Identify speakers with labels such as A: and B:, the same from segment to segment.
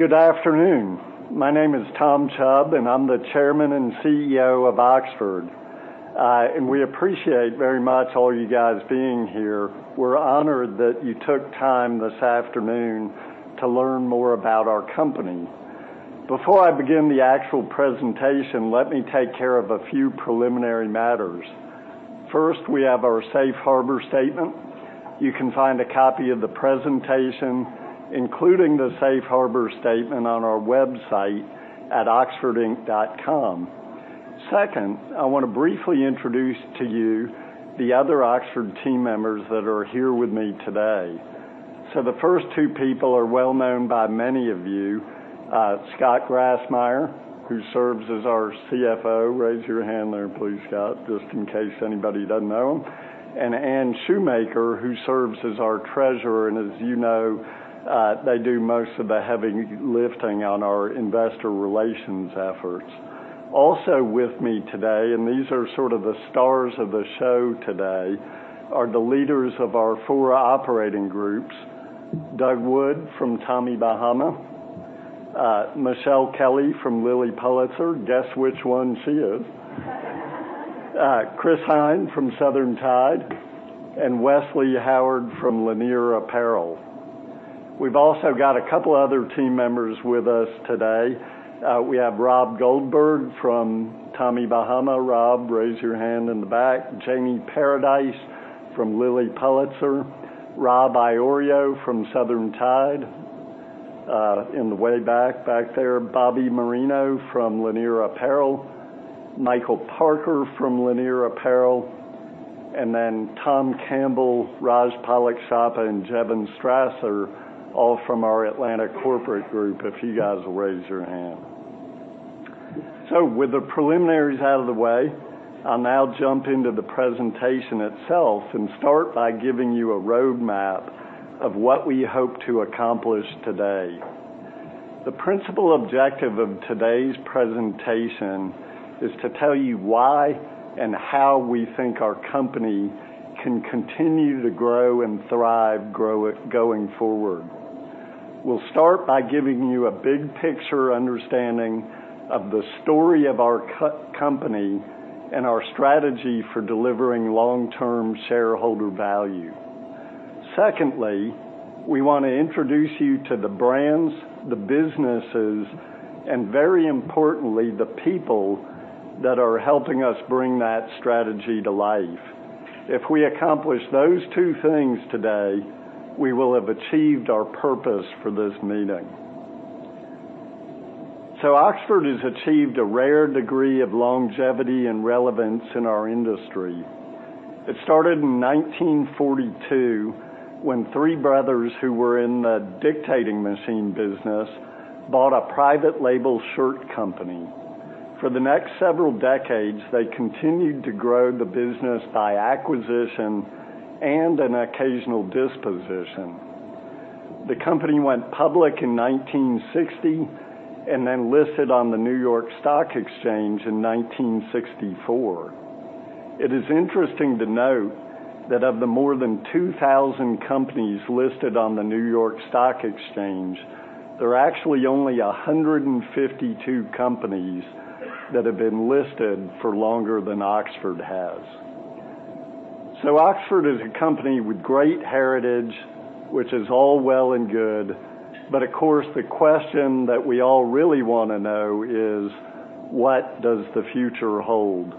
A: Good afternoon. My name is Tom Chubb, and I'm the Chairman and Chief Executive Officer of Oxford. We appreciate very much all you guys being here. We're honored that you took time this afternoon to learn more about our company. Before I begin the actual presentation, let me take care of a few preliminary matters. First, we have our safe harbor statement. You can find a copy of the presentation, including the safe harbor statement, on our website at oxfordinc.com. I want to briefly introduce to you the other Oxford team members that are here with me today. The first two people are well-known by many of you. Scott Grassmyer, who serves as our Chief Financial Officer. Raise your hand there please, Scott, just in case anybody doesn't know him. Anne Shoemaker, who serves as our Treasurer, and as you know, they do most of the heavy lifting on our investor relations efforts. Also with me today, these are sort of the stars of the show today, are the leaders of our four operating groups. Doug Wood from Tommy Bahama, Michelle Kelly from Lilly Pulitzer. Guess which one she is. Chris Heyn from Southern Tide, and Wesley Howard from Lanier Apparel. We've also got a couple other team members with us today. We have Rob Goldberg from Tommy Bahama. Rob, raise your hand in the back. Jamie Paradise from Lilly Pulitzer. Rob Iorio from Southern Tide. In the way back there, Bobby Marino from Lanier Apparel. Michael Parker from Lanier Apparel. Tom Campbell, Raj Palakshappa, and Jevon Strasser, all from our Atlanta corporate group, if you guys will raise your hand. With the preliminaries out of the way, I'll now jump into the presentation itself and start by giving you a roadmap of what we hope to accomplish today. The principal objective of today's presentation is to tell you why and how we think our company can continue to grow and thrive going forward. We'll start by giving you a big-picture understanding of the story of our company and our strategy for delivering long-term shareholder value. Secondly, we want to introduce you to the brands, the businesses, and very importantly, the people that are helping us bring that strategy to life. If we accomplish those two things today, we will have achieved our purpose for this meeting. Oxford has achieved a rare degree of longevity and relevance in our industry. It started in 1942, when three brothers who were in the dictating machine business bought a private label shirt company. For the next several decades, they continued to grow the business by acquisition and an occasional disposition. The company went public in 1960 and then listed on the New York Stock Exchange in 1964. It is interesting to note that of the more than 2,000 companies listed on the New York Stock Exchange, there are actually only 152 companies that have been listed for longer than Oxford has. Oxford is a company with great heritage, which is all well and good. Of course, the question that we all really want to know is: what does the future hold?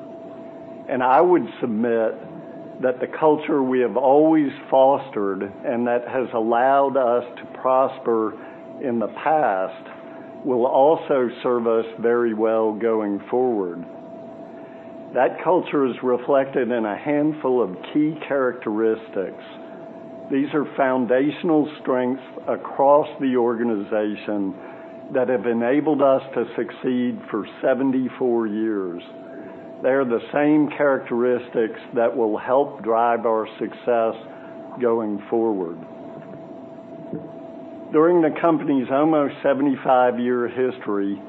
A: I would submit that the culture we have always fostered and that has allowed us to prosper in the past will also serve us very well going forward. That culture is reflected in a handful of key characteristics. These are foundational strengths across the organization that have enabled us to succeed for 74 years. They are the same characteristics that will help drive our success going forward. During the company's almost 75-year history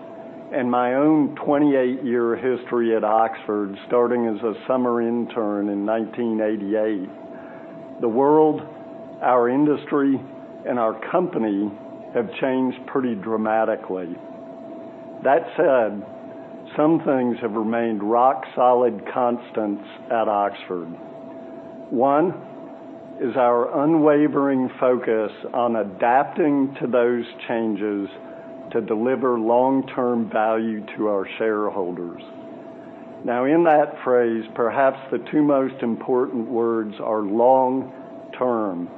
A: and my own 28-year history at Oxford, starting as a summer intern in 1988, the world, our industry, and our company have changed pretty dramatically. That said, some things have remained rock-solid constants at Oxford. One is our unwavering focus on adapting to those changes to deliver long-term value to our shareholders. In that phrase, perhaps the two most important words are long-term,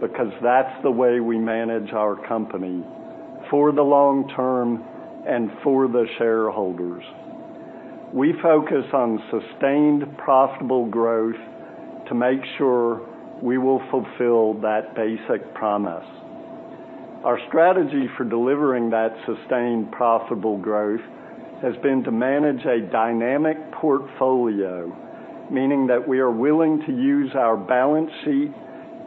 A: because that's the way we manage our company, for the long term and for the shareholders. We focus on sustained profitable growth to make sure we will fulfill that basic promise. Our strategy for delivering that sustained profitable growth has been to manage a dynamic portfolio, meaning that we are willing to use our balance sheet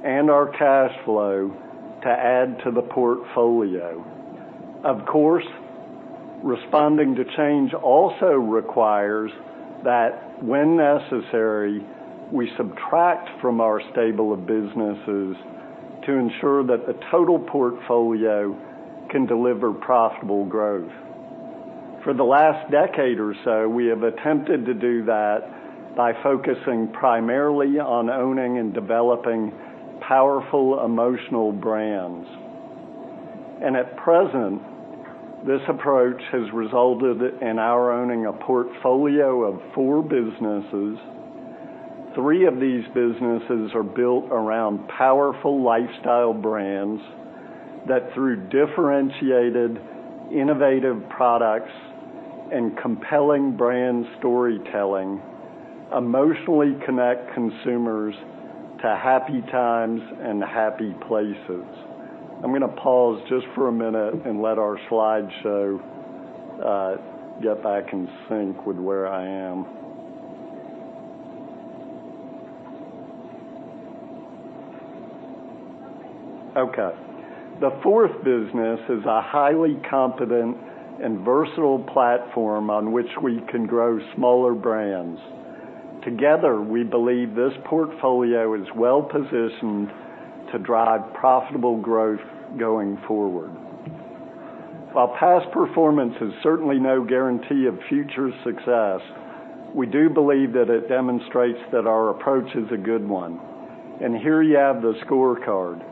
A: and our cash flow to add to the portfolio. Responding to change also requires that when necessary, we subtract from our stable of businesses to ensure that the total portfolio can deliver profitable growth. For the last decade or so, we have attempted to do that by focusing primarily on owning and developing powerful emotional brands. At present, this approach has resulted in our owning a portfolio of four businesses. Three of these businesses are built around powerful lifestyle brands that through differentiated, innovative products and compelling brand storytelling, emotionally connect consumers to happy times and happy places. I'm going to pause just for a minute and let our slideshow get back in sync with where I am. Okay. The fourth business is a highly competent and versatile platform on which we can grow smaller brands. Together, we believe this portfolio is well-positioned to drive profitable growth going forward. While past performance is certainly no guarantee of future success, we do believe that it demonstrates that our approach is a good one. Here you have the scorecard.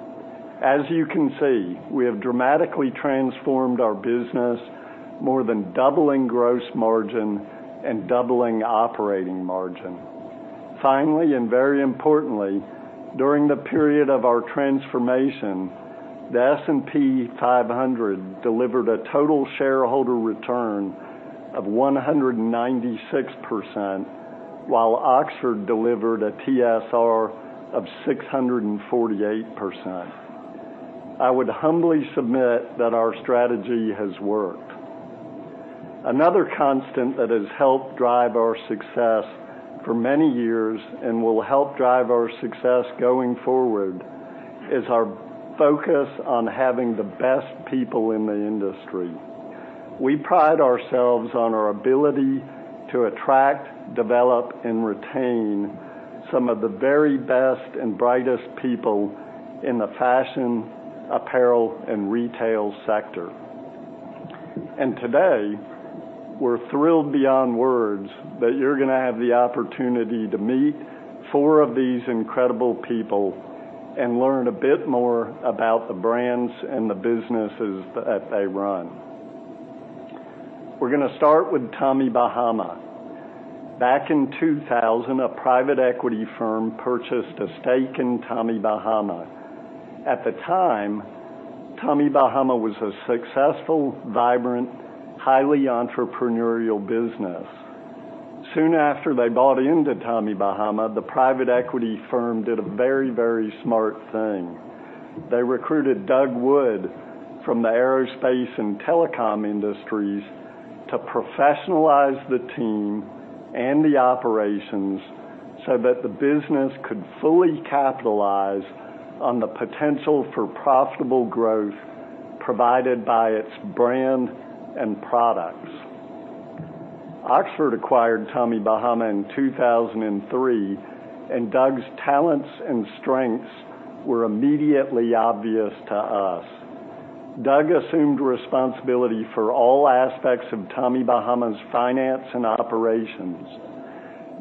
A: As you can see, we have dramatically transformed our business, more than doubling gross margin and doubling operating margin. Finally, and very importantly, during the period of our transformation, the S&P 500 delivered a total shareholder return of 196%, while Oxford delivered a TSR of 648%. I would humbly submit that our strategy has worked. Another constant that has helped drive our success for many years and will help drive our success going forward is our focus on having the best people in the industry. We pride ourselves on our ability to attract, develop, and retain some of the very best and brightest people in the fashion, apparel, and retail sector. Today, we're thrilled beyond words that you're gonna have the opportunity to meet four of these incredible people and learn a bit more about the brands and the businesses that they run. We're gonna start with Tommy Bahama. Back in 2000, a private equity firm purchased a stake in Tommy Bahama. At the time, Tommy Bahama was a successful, vibrant, highly entrepreneurial business. Soon after they bought into Tommy Bahama, the private equity firm did a very, very smart thing. They recruited Doug Wood from the aerospace and telecom industries to professionalize the team and the operations so that the business could fully capitalize on the potential for profitable growth provided by its brand and products. Oxford acquired Tommy Bahama in 2003. Doug's talents and strengths were immediately obvious to us. Doug assumed responsibility for all aspects of Tommy Bahama's finance and operations.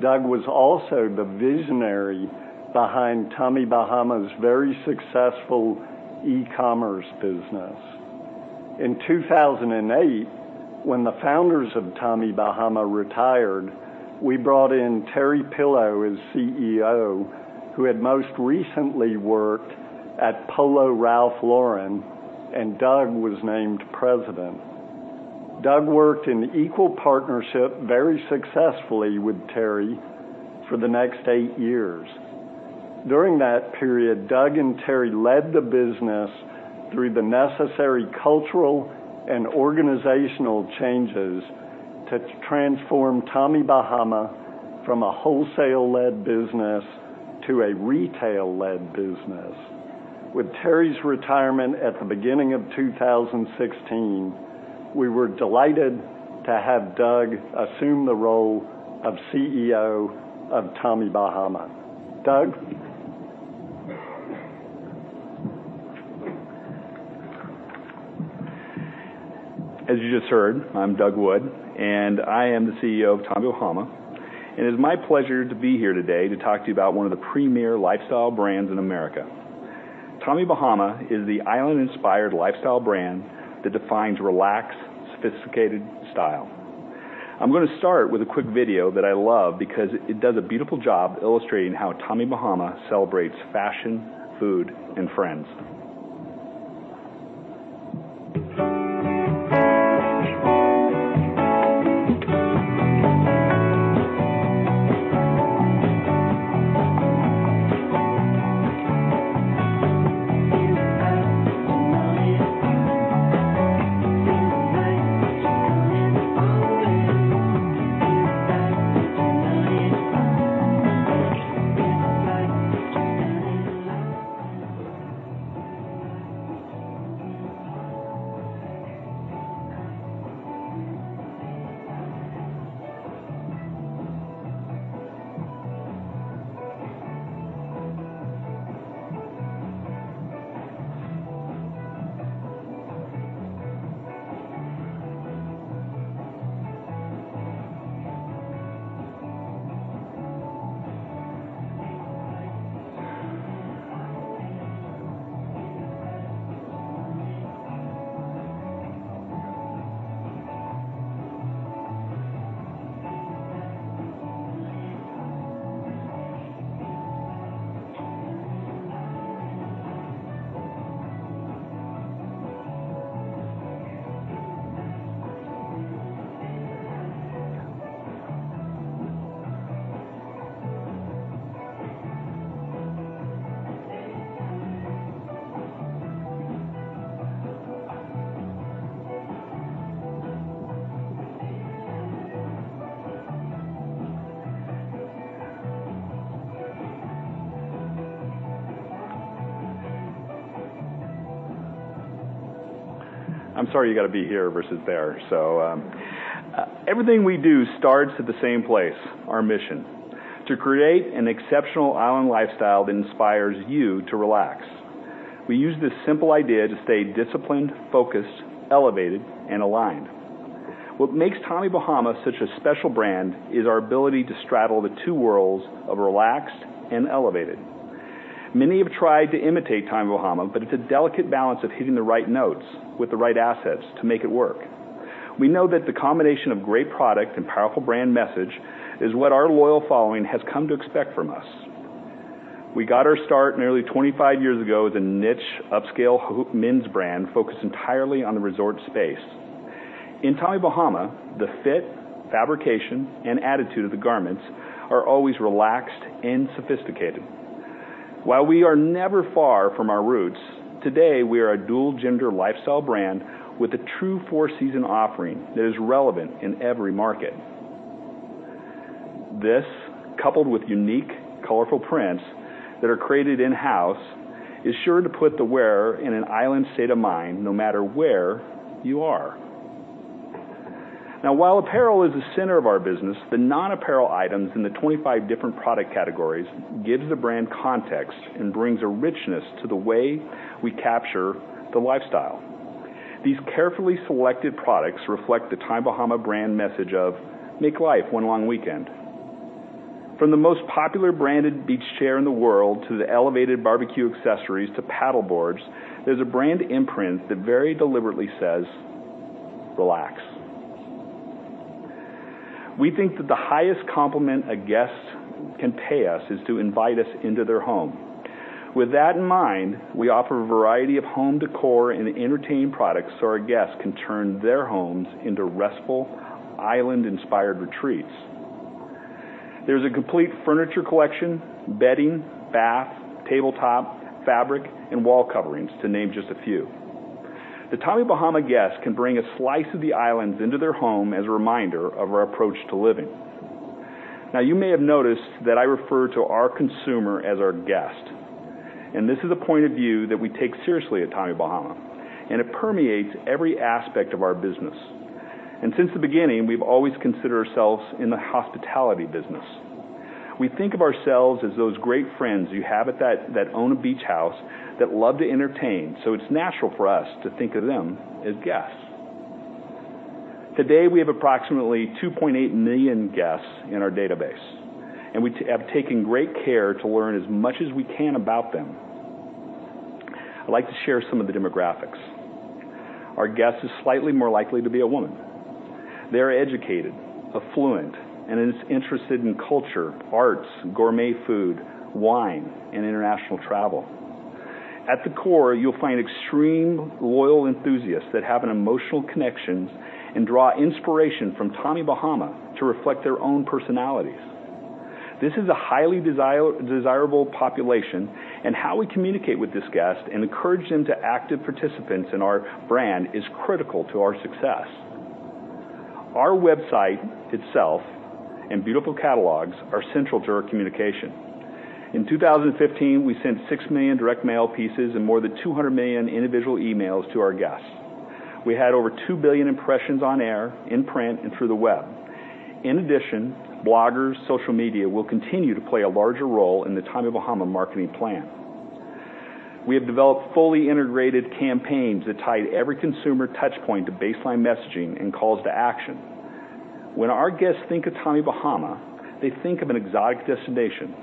A: Doug was also the visionary behind Tommy Bahama's very successful e-commerce business. In 2008, when the founders of Tommy Bahama retired, we brought in Terry Pillow as CEO, who had most recently worked at Polo Ralph Lauren. Doug was named president. Doug worked in equal partnership very successfully with Terry for the next eight years. During that period, Doug and Terry led the business through the necessary cultural and organizational changes to transform Tommy Bahama from a wholesale-led business to a retail-led business. With Terry's retirement at the beginning of 2016, we were delighted to have Doug assume the role of CEO of Tommy Bahama. Doug?
B: As you just heard, I'm Doug Wood. I am the CEO of Tommy Bahama. It is my pleasure to be here today to talk to you about one of the premier lifestyle brands in America. Tommy Bahama is the island-inspired lifestyle brand that defines relaxed, sophisticated style. I'm gonna start with a quick video that I love because it does a beautiful job illustrating how Tommy Bahama celebrates fashion, food, and friends.
C: Feeling right, you're coming up
B: I'm sorry you got to be here versus there. Everything we do starts at the same place, our mission: to create an exceptional island lifestyle that inspires you to relax. We use this simple idea to stay disciplined, focused, elevated, and aligned. What makes Tommy Bahama such a special brand is our ability to straddle the two worlds of relaxed and elevated. Many have tried to imitate Tommy Bahama. It's a delicate balance of hitting the right notes with the right assets to make it work. We know that the combination of great product and powerful brand message is what our loyal following has come to expect from us. We got our start nearly 25 years ago as a niche upscale men's brand focused entirely on the resort space. In Tommy Bahama, the fit, fabrication, and attitude of the garments are always relaxed and sophisticated. While we are never far from our roots, today we are a dual-gender lifestyle brand with a true four-season offering that is relevant in every market. This, coupled with unique, colorful prints that are created in-house, is sure to put the wearer in an island state of mind no matter where you are. While apparel is the center of our business, the non-apparel items in the 25 different product categories gives the brand context and brings a richness to the way we capture the lifestyle. These carefully selected products reflect the Tommy Bahama brand message of "Make life one long weekend." From the most popular branded beach chair in the world to the elevated barbecue accessories to paddle boards, there's a brand imprint that very deliberately says, "Relax." We think that the highest compliment a guest can pay us is to invite us into their home. With that in mind, we offer a variety of home decor and entertaining products so our guests can turn their homes into restful, island-inspired retreats. There's a complete furniture collection, bedding, bath, tabletop, fabric, and wall coverings to name just a few. The Tommy Bahama guest can bring a slice of the islands into their home as a reminder of our approach to living. You may have noticed that I refer to our consumer as our guest, this is a point of view that we take seriously at Tommy Bahama, and it permeates every aspect of our business. Since the beginning, we've always considered ourselves in the hospitality business. We think of ourselves as those great friends you have that own a beach house that love to entertain, so it's natural for us to think of them as guests. Today, we have approximately 2.8 million guests in our database, we have taken great care to learn as much as we can about them. I'd like to share some of the demographics. Our guest is slightly more likely to be a woman. They're educated, affluent, and is interested in culture, arts, gourmet food, wine, and international travel. At the core, you'll find extreme loyal enthusiasts that have an emotional connection and draw inspiration from Tommy Bahama to reflect their own personalities. This is a highly desirable population, how we communicate with this guest and encourage them to active participants in our brand is critical to our success. Our website itself and beautiful catalogs are central to our communication. In 2015, we sent 6 million direct mail pieces and more than 200 million individual emails to our guests. We had over 2 billion impressions on air, in print, and through the web. In addition, bloggers, social media will continue to play a larger role in the Tommy Bahama marketing plan. We have developed fully integrated campaigns that tie every consumer touchpoint to baseline messaging and calls to action. When our guests think of Tommy Bahama, they think of an exotic destination,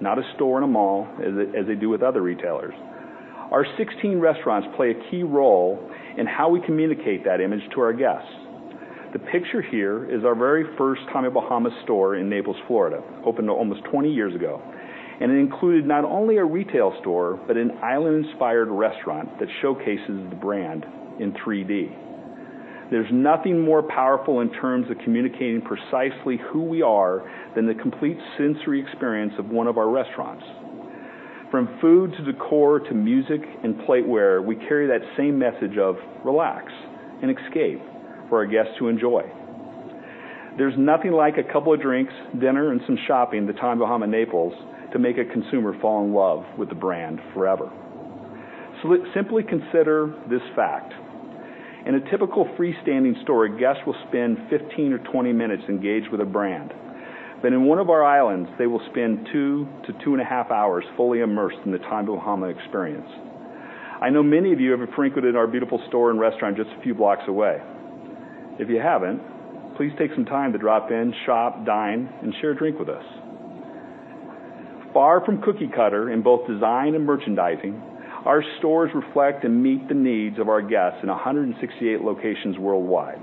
B: not a store in a mall, as they do with other retailers. Our 16 restaurants play a key role in how we communicate that image to our guests. The picture here is our very first Tommy Bahama store in Naples, Florida, opened almost 20 years ago, it included not only a retail store, but an island-inspired restaurant that showcases the brand in 3D. There's nothing more powerful in terms of communicating precisely who we are than the complete sensory experience of one of our restaurants. From food to decor to music and plateware, we carry that same message of relax and escape for our guests to enjoy. There's nothing like a couple of drinks, dinner, and some shopping at the Tommy Bahama Naples to make a consumer fall in love with the brand forever. Let's simply consider this fact. In a typical freestanding store, guests will spend 15 or 20 minutes engaged with a brand. But in one of our islands, they will spend 2 to two and a half hours fully immersed in the Tommy Bahama experience. I know many of you have frequented our beautiful store and restaurant just a few blocks away. If you haven't, please take some time to drop in, shop, dine, and share a drink with us. Far from cookie-cutter in both design and merchandising, our stores reflect and meet the needs of our guests in 168 locations worldwide.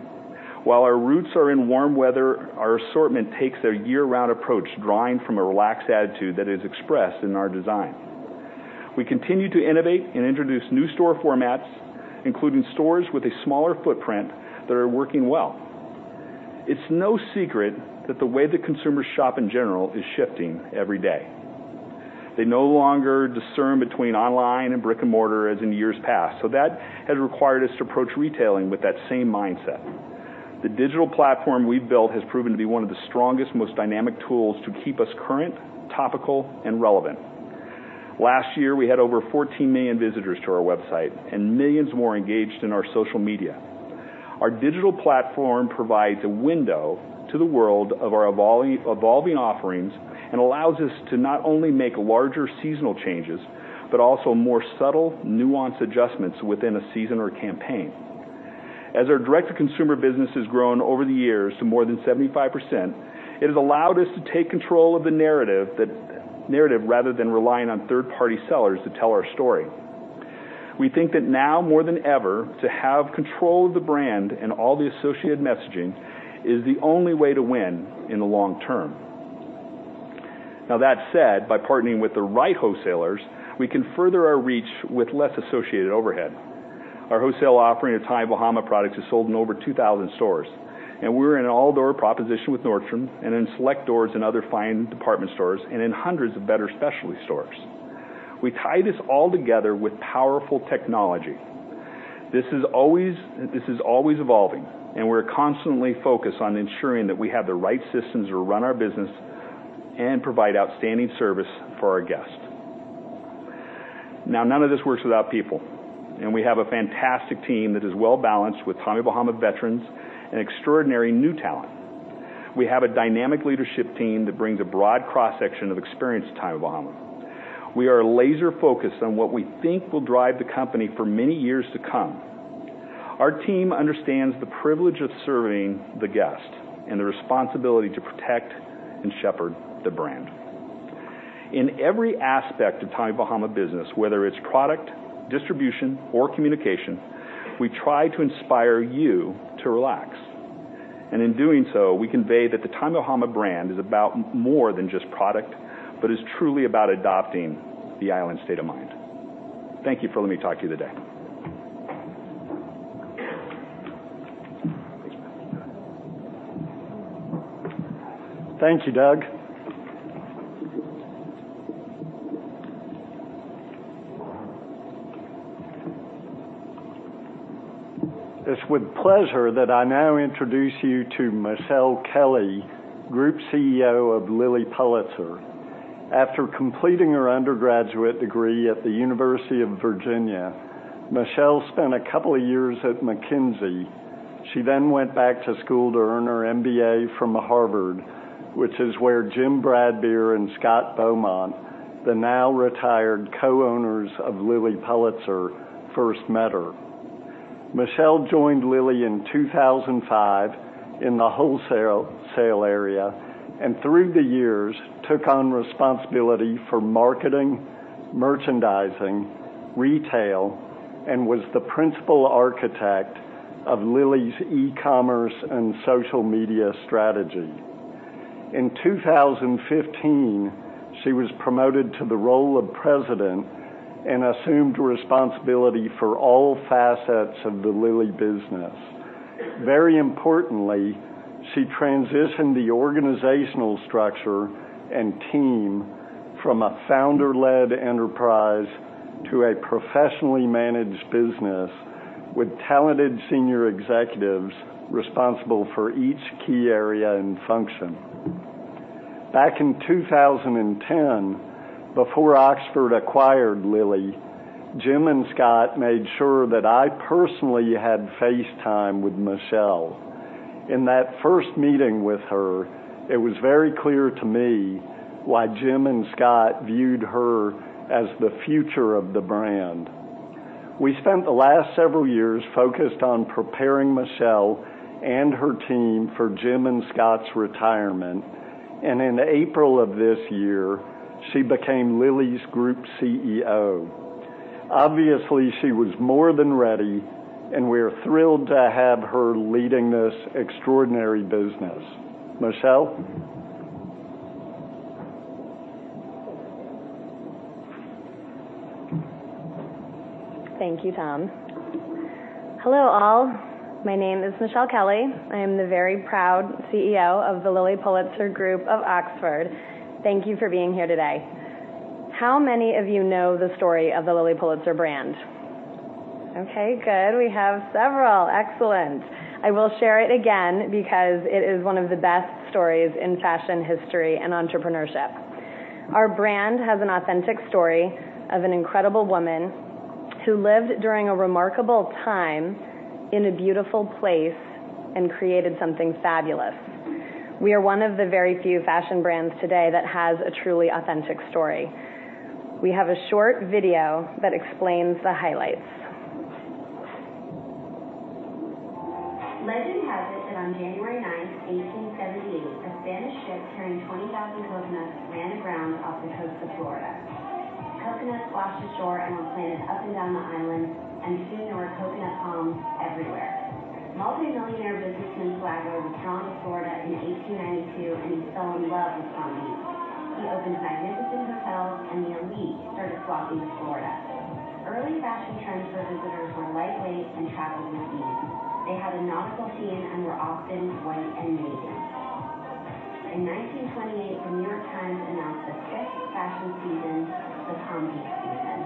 B: While our roots are in warm weather, our assortment takes a year-round approach, drawing from a relaxed attitude that is expressed in our design. We continue to innovate and introduce new store formats, including stores with a smaller footprint that are working well. It's no secret that the way that consumers shop in general is shifting every day. They no longer discern between online and brick-and-mortar as in years past, that has required us to approach retailing with that same mindset. The digital platform we've built has proven to be one of the strongest, most dynamic tools to keep us current, topical, and relevant. Last year, we had over 14 million visitors to our website and millions more engaged in our social media. Our digital platform provides a window to the world of our evolving offerings and allows us to not only make larger seasonal changes, but also more subtle, nuanced adjustments within a season or a campaign. As our direct-to-consumer business has grown over the years to more than 75%, it has allowed us to take control of the narrative rather than relying on third-party sellers to tell our story. We think that now more than ever, to have control of the brand and all the associated messaging is the only way to win in the long term. That said, by partnering with the right wholesalers, we can further our reach with less associated overhead. Our wholesale offering of Tommy Bahama products is sold in over 2,000 stores, and we're in an all-door proposition with Nordstrom and in select doors in other fine department stores and in hundreds of better specialty stores. We tie this all together with powerful technology. This is always evolving, and we're constantly focused on ensuring that we have the right systems to run our business and provide outstanding service for our guests. None of this works without people, and we have a fantastic team that is well-balanced with Tommy Bahama veterans and extraordinary new talent. We have a dynamic leadership team that brings a broad cross-section of experience to Tommy Bahama. We are laser-focused on what we think will drive the company for many years to come. Our team understands the privilege of serving the guest and the responsibility to protect and shepherd the brand. In every aspect of Tommy Bahama business, whether it's product, distribution, or communication, we try to inspire you to relax. In doing so, we convey that the Tommy Bahama brand is about more than just product, but is truly about adopting the island state of mind. Thank you for letting me talk to you today.
A: Thank you, Doug. It's with pleasure that I now introduce you to Michelle Kelly, Group CEO of Lilly Pulitzer. After completing her undergraduate degree at the University of Virginia, Michelle spent a couple of years at McKinsey. She went back to school to earn her MBA from Harvard, which is where Jim Bradbeer and Scott Beaumont, the now-retired co-owners of Lilly Pulitzer, first met her. Michelle joined Lilly in 2005 in the wholesale area, and through the years, took on responsibility for marketing, merchandising, retail, and was the principal architect of Lilly's e-commerce and social media strategy. In 2015, she was promoted to the role of President and assumed responsibility for all facets of the Lilly business. Very importantly, she transitioned the organizational structure and team from a founder-led enterprise to a professionally managed business with talented senior executives responsible for each key area and function. Back in 2010, before Oxford acquired Lilly, Jim and Scott made sure that I personally had face time with Michelle. In that first meeting with her, it was very clear to me why Jim and Scott viewed her as the future of the brand. We spent the last several years focused on preparing Michelle and her team for Jim and Scott's retirement. In April of this year, she became Lilly's Group CEO. Obviously, she was more than ready, we're thrilled to have her leading this extraordinary business. Michelle?
D: Thank you, Tom. Hello, all. My name is Michelle Kelly. I am the very proud CEO of the Lilly Pulitzer Group of Oxford. Thank you for being here today. How many of you know the story of the Lilly Pulitzer brand? Okay, good. We have several. Excellent. I will share it again because it is one of the best stories in fashion history and entrepreneurship. Our brand has an authentic story of an incredible woman who lived during a remarkable time in a beautiful place and created something fabulous. We are one of the very few fashion brands today that has a truly authentic story. We have a short video that explains the highlights.
C: Legend has it that on January 9th, 1878, a Spanish ship carrying 20,000 coconuts ran aground off the coast of Florida. Coconuts washed ashore and were planted up and down the island, and soon there were coconut palms everywhere. Multimillionaire businessman Flagler would come to Florida in 1892 and he fell in love with Palm Beach. He opened magnificent hotels, and the elite started flocking to Florida. Early fashion trends for visitors were lightweight and travel-themed. They had a nautical theme and were often white and navy. In 1928, the New York Times announced the fifth fashion season, the Palm Beach season.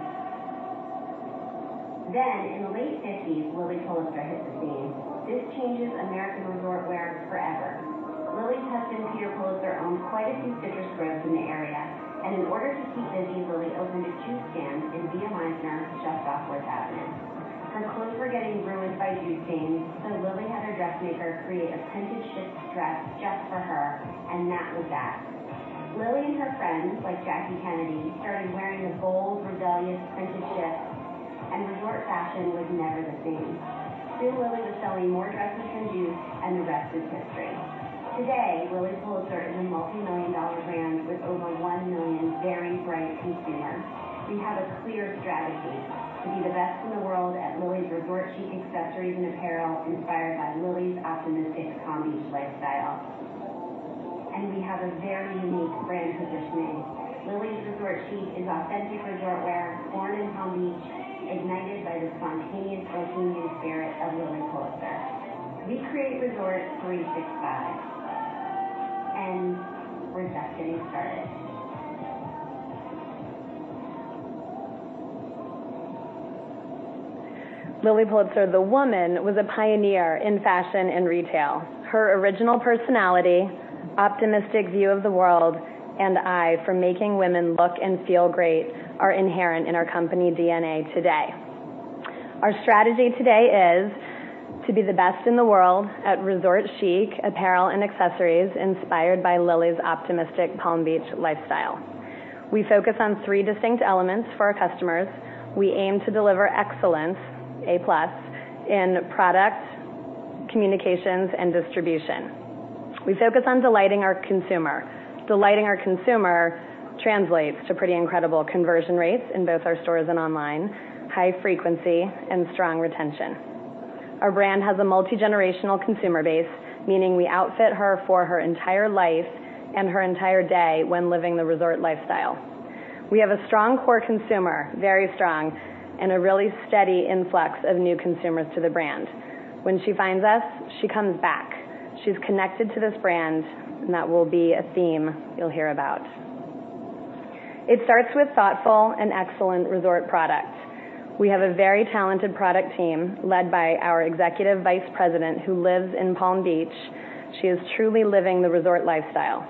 C: In the late '50s, Lilly Pulitzer hit the scene. This changes American resort wear forever. Lilly's husband, Peter Pulitzer, owned quite a few citrus groves in the area, and in order to keep busy, Lilly opened a juice stand in Via Mizner, just off Worth Avenue. Her clothes were getting ruined by juice stains, so Lilly had her dressmaker create a printed shift dress just for her, and that was that. Lilly and her friends, like Jackie Kennedy, started wearing the bold, rebellious printed shifts, and resort fashion was never the same. Soon Lilly was selling more dresses than juice, and the rest is history. Today, Lilly Pulitzer is a multimillion-dollar brand with over one million very bright consumers. We have a clear strategy: to be the best in the world at Lilly's resort chic accessories and apparel inspired by Lilly's optimistic Palm Beach lifestyle. We have a very unique brand positioning. Lilly's resort chic is authentic resort wear born in Palm Beach, ignited by the spontaneous bohemian spirit of Lilly Pulitzer. We create Resort 365. With that, getting started.
D: Lilly Pulitzer, the woman, was a pioneer in fashion and retail. Her original personality, optimistic view of the world, and eye for making women look and feel great are inherent in our company DNA today. Our strategy today is to be the best in the world at resort chic apparel and accessories inspired by Lilly's optimistic Palm Beach lifestyle. We focus on three distinct elements for our customers. We aim to deliver excellence, A+, in product, communications, and distribution. We focus on delighting our consumer. Delighting our consumer translates to pretty incredible conversion rates in both our stores and online, high frequency, and strong retention. Our brand has a multigenerational consumer base, meaning we outfit her for her entire life and her entire day when living the resort lifestyle. We have a strong core consumer, very strong, and a really steady influx of new consumers to the brand. When she finds us, she comes back. She's connected to this brand, and that will be a theme you'll hear about. It starts with thoughtful and excellent resort product. We have a very talented product team led by our executive vice president, who lives in Palm Beach. She is truly living the resort lifestyle.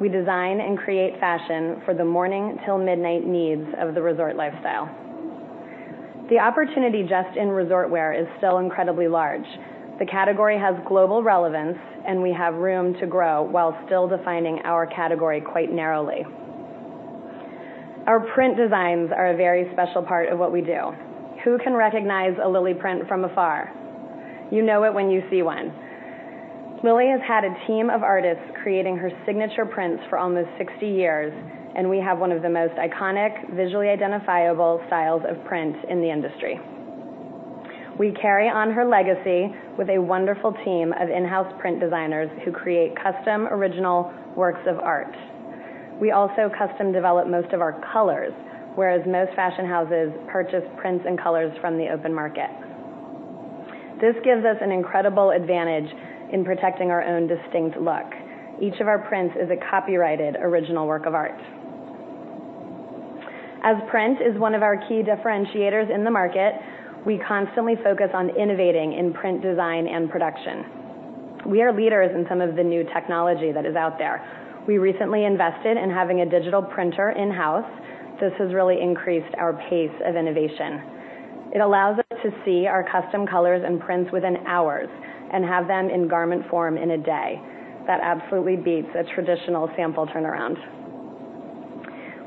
D: We design and create fashion for the morning-till-midnight needs of the resort lifestyle. The opportunity just in resort wear is still incredibly large. The category has global relevance, and we have room to grow while still defining our category quite narrowly. Our print designs are a very special part of what we do. Who can recognize a Lilly print from afar? You know it when you see one. Lilly has had a team of artists creating her signature prints for almost 60 years. We have one of the most iconic, visually identifiable styles of print in the industry. We carry on her legacy with a wonderful team of in-house print designers who create custom original works of art. We also custom-develop most of our colors, whereas most fashion houses purchase prints and colors from the open market. This gives us an incredible advantage in protecting our own distinct look. Each of our prints is a copyrighted original work of art. As print is one of our key differentiators in the market, we constantly focus on innovating in print design and production. We are leaders in some of the new technology that is out there. We recently invested in having a digital printer in-house. This has really increased our pace of innovation. It allows us to see our custom colors and prints within hours and have them in garment form in a day. That absolutely beats a traditional sample turnaround.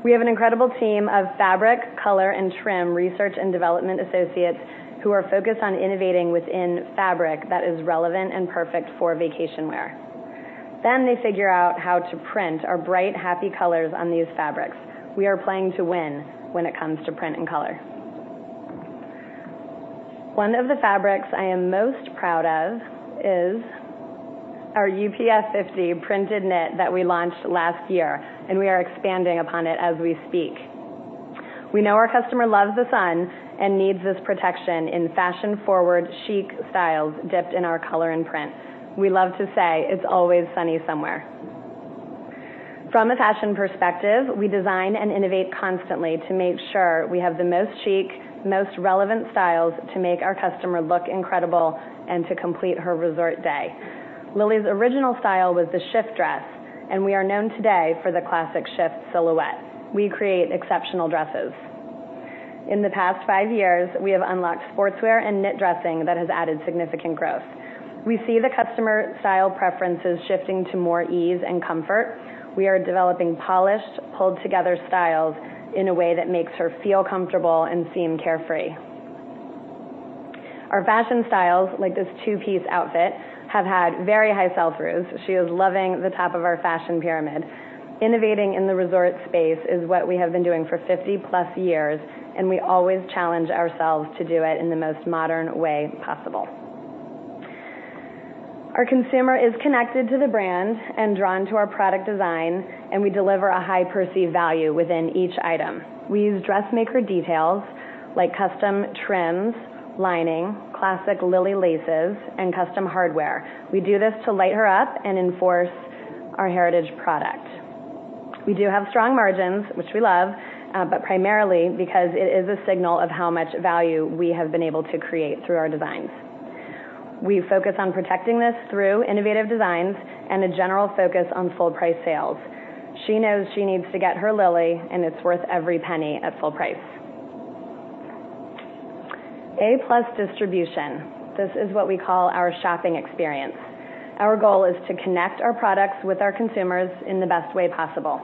D: We have an incredible team of fabric, color, and trim research and development associates who are focused on innovating within fabric that is relevant and perfect for vacation wear. They figure out how to print our bright, happy colors on these fabrics. We are playing to win when it comes to print and color. One of the fabrics I am most proud of is our UPF 50 printed knit that we launched last year. We are expanding upon it as we speak. We know our customer loves the sun and needs this protection in fashion-forward, chic styles dipped in our color and print. We love to say, "It's always sunny somewhere." From a fashion perspective, we design and innovate constantly to make sure we have the most chic, most relevant styles to make our customer look incredible and to complete her resort day. Lilly's original style was the shift dress. We are known today for the classic shift silhouette. We create exceptional dresses. In the past 5 years, we have unlocked sportswear and knit dressing that has added significant growth. We see the customer style preferences shifting to more ease and comfort. We are developing polished, pulled-together styles in a way that makes her feel comfortable and seem carefree. Our fashion styles, like this two-piece outfit, have had very high sell-throughs. She is loving the top of our fashion pyramid. Innovating in the resort space is what we have been doing for 50-plus years. We always challenge ourselves to do it in the most modern way possible. Our consumer is connected to the brand and drawn to our product design. We deliver a high perceived value within each item. We use dressmaker details like custom trims, lining, classic Lilly laces, and custom hardware. We do this to light her up and enforce our heritage product. We do have strong margins, which we love, primarily because it is a signal of how much value we have been able to create through our designs. We focus on protecting this through innovative designs and a general focus on full-price sales. She knows she needs to get her Lilly. It's worth every penny at full price. A-plus distribution. This is what we call our shopping experience. Our goal is to connect our products with our consumers in the best way possible.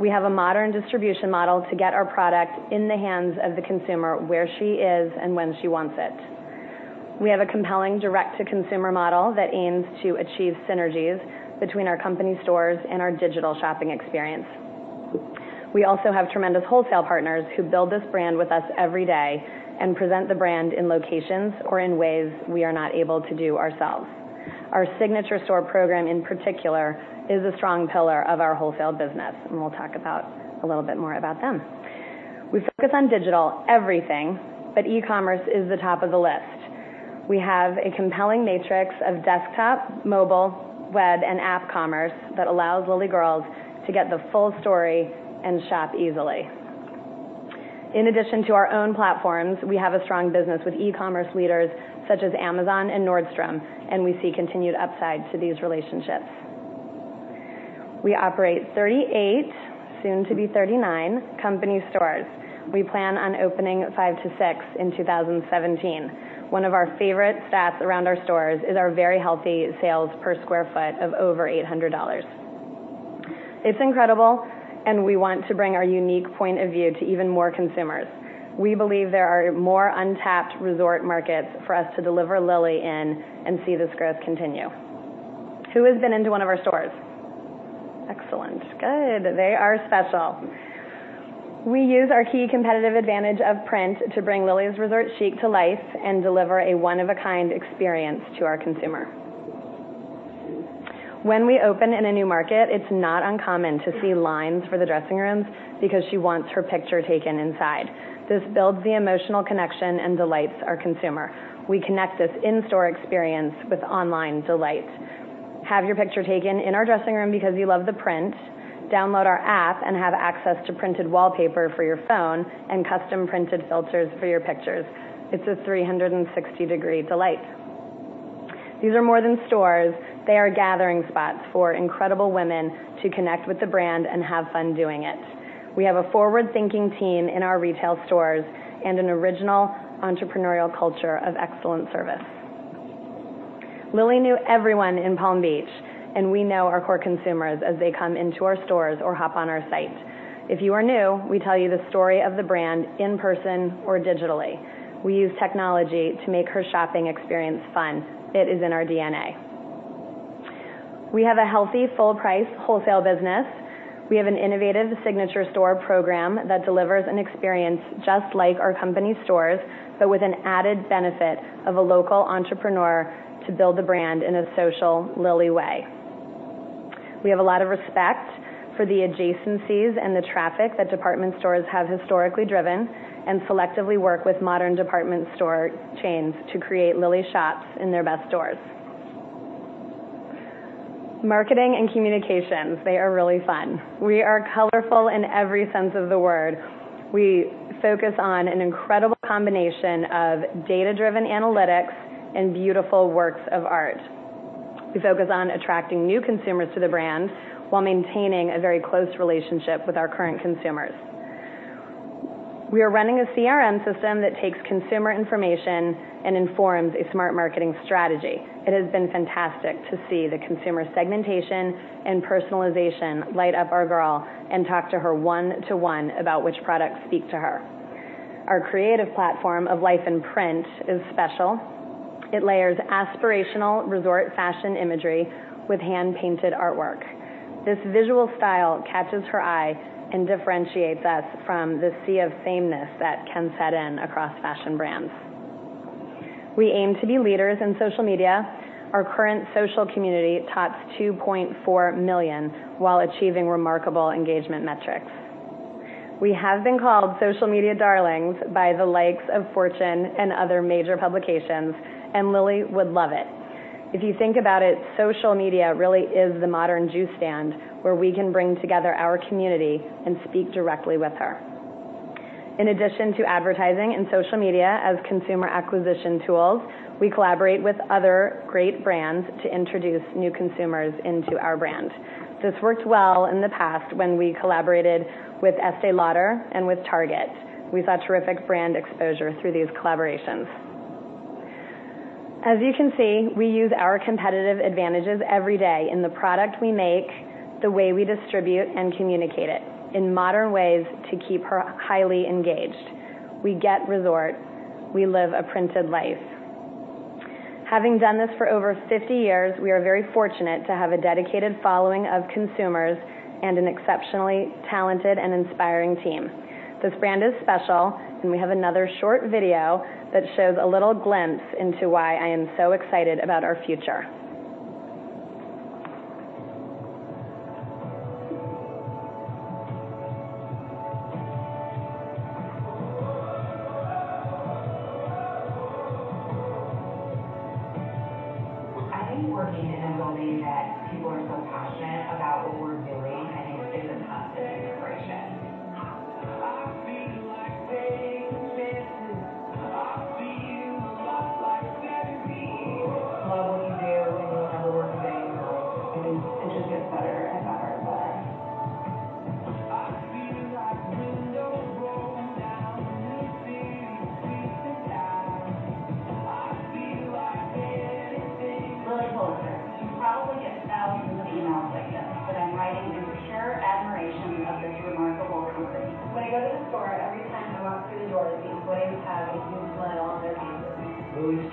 D: We have a modern distribution model to get our product in the hands of the consumer, where she is and when she wants it. We have a compelling direct-to-consumer model that aims to achieve synergies between our company stores and our digital shopping experience. We also have tremendous wholesale partners who build this brand with us every day and present the brand in locations or in ways we are not able to do ourselves. Our signature store program in particular is a strong pillar of our wholesale business. We'll talk a little bit more about them. We focus on digital everything. E-commerce is the top of the list. We have a compelling matrix of desktop, mobile, web, and app commerce that allows Lilly girls to get the full story and shop easily. In addition to our own platforms, we have a strong business with e-commerce leaders such as Amazon and Nordstrom. We see continued upside to these relationships. We operate 38, soon to be 39, company stores. We plan on opening five to six in 2017. One of our favorite stats around our stores is our very healthy sales per square foot of over $800. It's incredible. We want to bring our unique point of view to even more consumers. We believe there are more untapped resort markets for us to deliver Lilly in and see this growth continue. Who has been into one of our stores? Excellent. Good. They are special. We use our key competitive advantage of print to bring Lilly's resort chic to life and deliver a one-of-a-kind experience to our consumer. When we open in a new market, it's not uncommon to see lines for the dressing rooms because she wants her picture taken inside. This builds the emotional connection and delights our consumer. We connect this in-store experience with online delight. Have your picture taken in our dressing room because you love the print, download our app, and have access to printed wallpaper for your phone and custom printed filters for your pictures. It's a 360-degree delight. These are more than stores. They are gathering spots for incredible women to connect with the brand and have fun doing it. We have a forward-thinking team in our retail stores and an original entrepreneurial culture of excellent service. Lilly knew everyone in Palm Beach. We know our core consumers as they come into our stores or hop on our site. If you are new, we tell you the story of the brand in person or digitally. We use technology to make her shopping experience fun. It is in our DNA. We have a healthy full-price wholesale business. We have an innovative signature store program that delivers an experience just like our company stores. With an added benefit of a local entrepreneur to build the brand in a social Lilly way. We have a lot of respect for the adjacencies and the traffic that department stores have historically driven and selectively work with modern department store chains to create Lilly shops in their best stores. Marketing and communications, they are really fun. We are colorful in every sense of the word. We focus on an incredible combination of data-driven analytics and beautiful works of art. We focus on attracting new consumers to the brand while maintaining a very close relationship with our current consumers. We are running a CRM system that takes consumer information and informs a smart marketing strategy. It has been fantastic to see the consumer segmentation and personalization light up our girl and talk to her one-to-one about which products speak to her. Our creative platform of Life in Print is special. It layers aspirational resort fashion imagery with hand-painted artwork. This visual style catches her eye and differentiates us from the sea of sameness that can set in across fashion brands. We aim to be leaders in social media. Our current social community tops 2.4 million while achieving remarkable engagement metrics. We have been called social media darlings by the likes of Fortune and other major publications, and Lilly would love it. If you think about it, social media really is the modern juice stand where we can bring together our community and speak directly with her. In addition to advertising and social media as consumer acquisition tools, we collaborate with other great brands to introduce new consumers into our brand. This worked well in the past when we collaborated with Estée Lauder and with Target. We saw terrific brand exposure through these collaborations. As you can see, we use our competitive advantages every day in the product we make, the way we distribute and communicate it, in modern ways to keep her highly engaged. We get resort. We live a printed life. Having done this for over 50 years, we are very fortunate to have a dedicated following of consumers and an exceptionally talented and inspiring team. This brand is special. We have another short video that shows a little glimpse into why I am so excited about our future.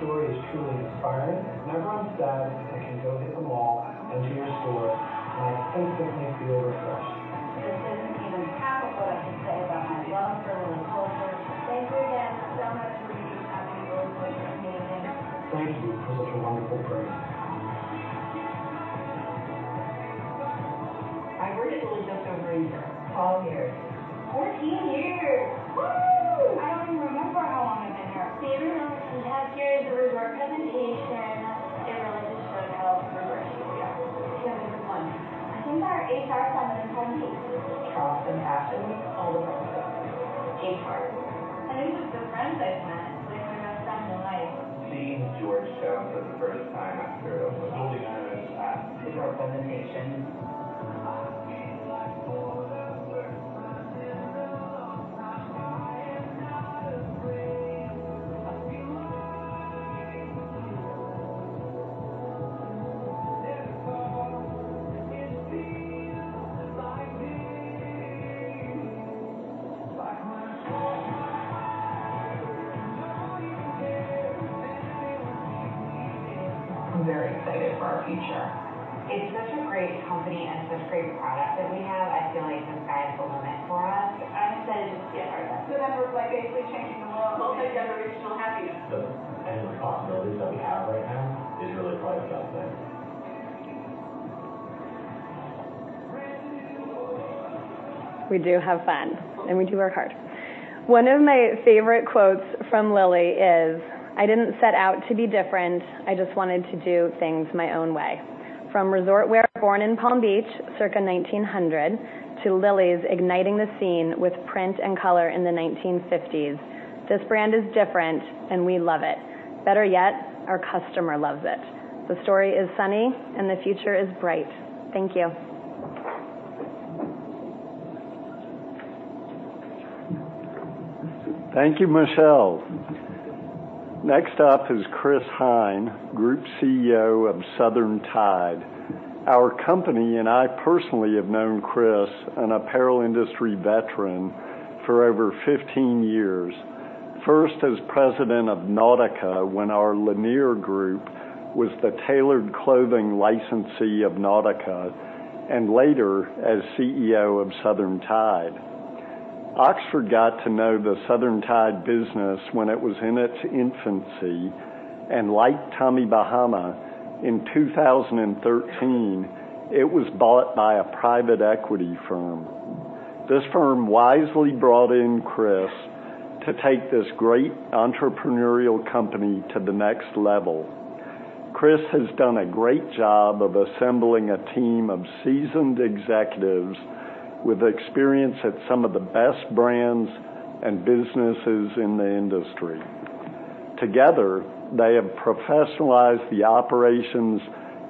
C: I think working in a building that people are so passionate about what we're doing, I think it's a positive inspiration. Love what you do and you'll never work a day in your life. I mean, it just gets better and better and better. Lilly Pulitzer. You probably get thousands of emails like this, but I'm writing in pure admiration of this remarkable story. When I go to the store, every time I walk through the doors, the employees have a huge smile on their faces. Lilly's story is truly inspiring. Whenever I'm sad, I can go hit the mall and to your store, and I instantly feel refreshed. This isn't even half of what I could say about my love for Lilly Pulitzer. Thank you again so much for making happy Lilly Pulitzer amazing. Thank you for such a wonderful brand. I've worked at Lilly just over eight years. 12 years. 14 years. Woo. I don't even remember how long I've been here. Favorite moments we have here is the resort presentations. It really just shows how progressive we are. Seven months. I think our HR summer intern week. Trust and passion all the way. Eight years. I think just the friends I've met. They're my best friends in life. Seeing George Jones for the first time. Building items. Resort presentations. I'm very excited for our future. It's such a great company and such great product that we have. I feel like the sky is the limit for us. I'm excited to see it grow. To them, we're basically changing the world. Multigenerational happiness. The possibilities that we have right now is really quite exciting. We do have fun, and we do work hard. One of my favorite quotes from Lilly is, "I didn't set out to be different. I just wanted to do things my own way." From resort wear born in Palm Beach circa 1900 to Lilly's igniting the scene with print and color in the 1950s, this brand is different, and we love it. Better yet, our customer loves it. The story is sunny, and the future is bright. Thank you.
A: Thank you, Michelle. Next up is Chris Heyn, Group CEO of Southern Tide. Our company and I personally have known Chris, an apparel industry veteran, for over 15 years. First as president of Nautica when our Lanier group was the tailored clothing licensee of Nautica, and later as CEO of Southern Tide. Oxford got to know the Southern Tide business when it was in its infancy. Like Tommy Bahama, in 2013, it was bought by a private equity firm. This firm wisely brought in Chris to take this great entrepreneurial company to the next level. Chris has done a great job of assembling a team of seasoned executives with experience at some of the best brands and businesses in the industry. Together, they have professionalized the operations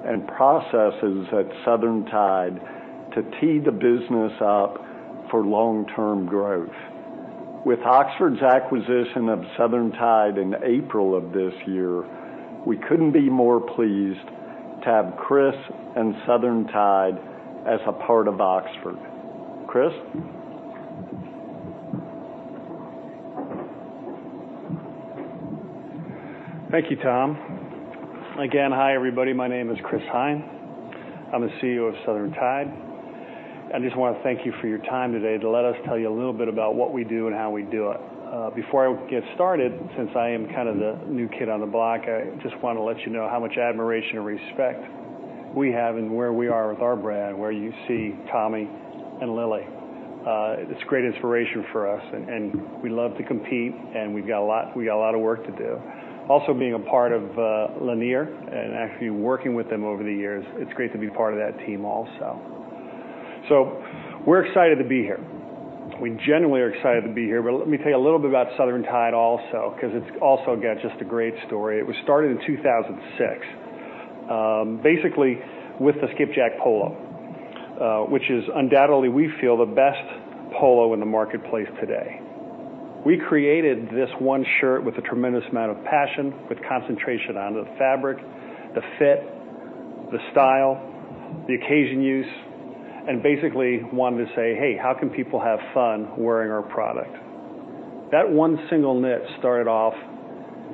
A: and processes at Southern Tide to tee the business up for long-term growth. With Oxford's acquisition of Southern Tide in April of this year, we couldn't be more pleased to have Chris and Southern Tide as a part of Oxford. Chris?
E: Thank you, Tom. Again, hi, everybody. My name is Chris Heyn. I am the CEO of Southern Tide. I just want to thank you for your time today to let us tell you a little bit about what we do and how we do it. Before I get started, since I am kind of the new kid on the block, I just want to let you know how much admiration and respect we have and where we are with our brand, where you see Tommy and Lilly. It is a great inspiration for us, and we love to compete, and we got a lot of work to do. Also being a part of Lanier and actually working with them over the years, it is great to be part of that team also. We are excited to be here. We genuinely are excited to be here, let me tell you a little bit about Southern Tide also, because it's also again, just a great story. It was started in 2006, basically with the Skipjack Polo, which is undoubtedly, we feel, the best polo in the marketplace today. We created this one shirt with a tremendous amount of passion, with concentration on the fabric, the fit, the style, the occasion use, and basically wanted to say, "Hey, how can people have fun wearing our product?" That one single knit started off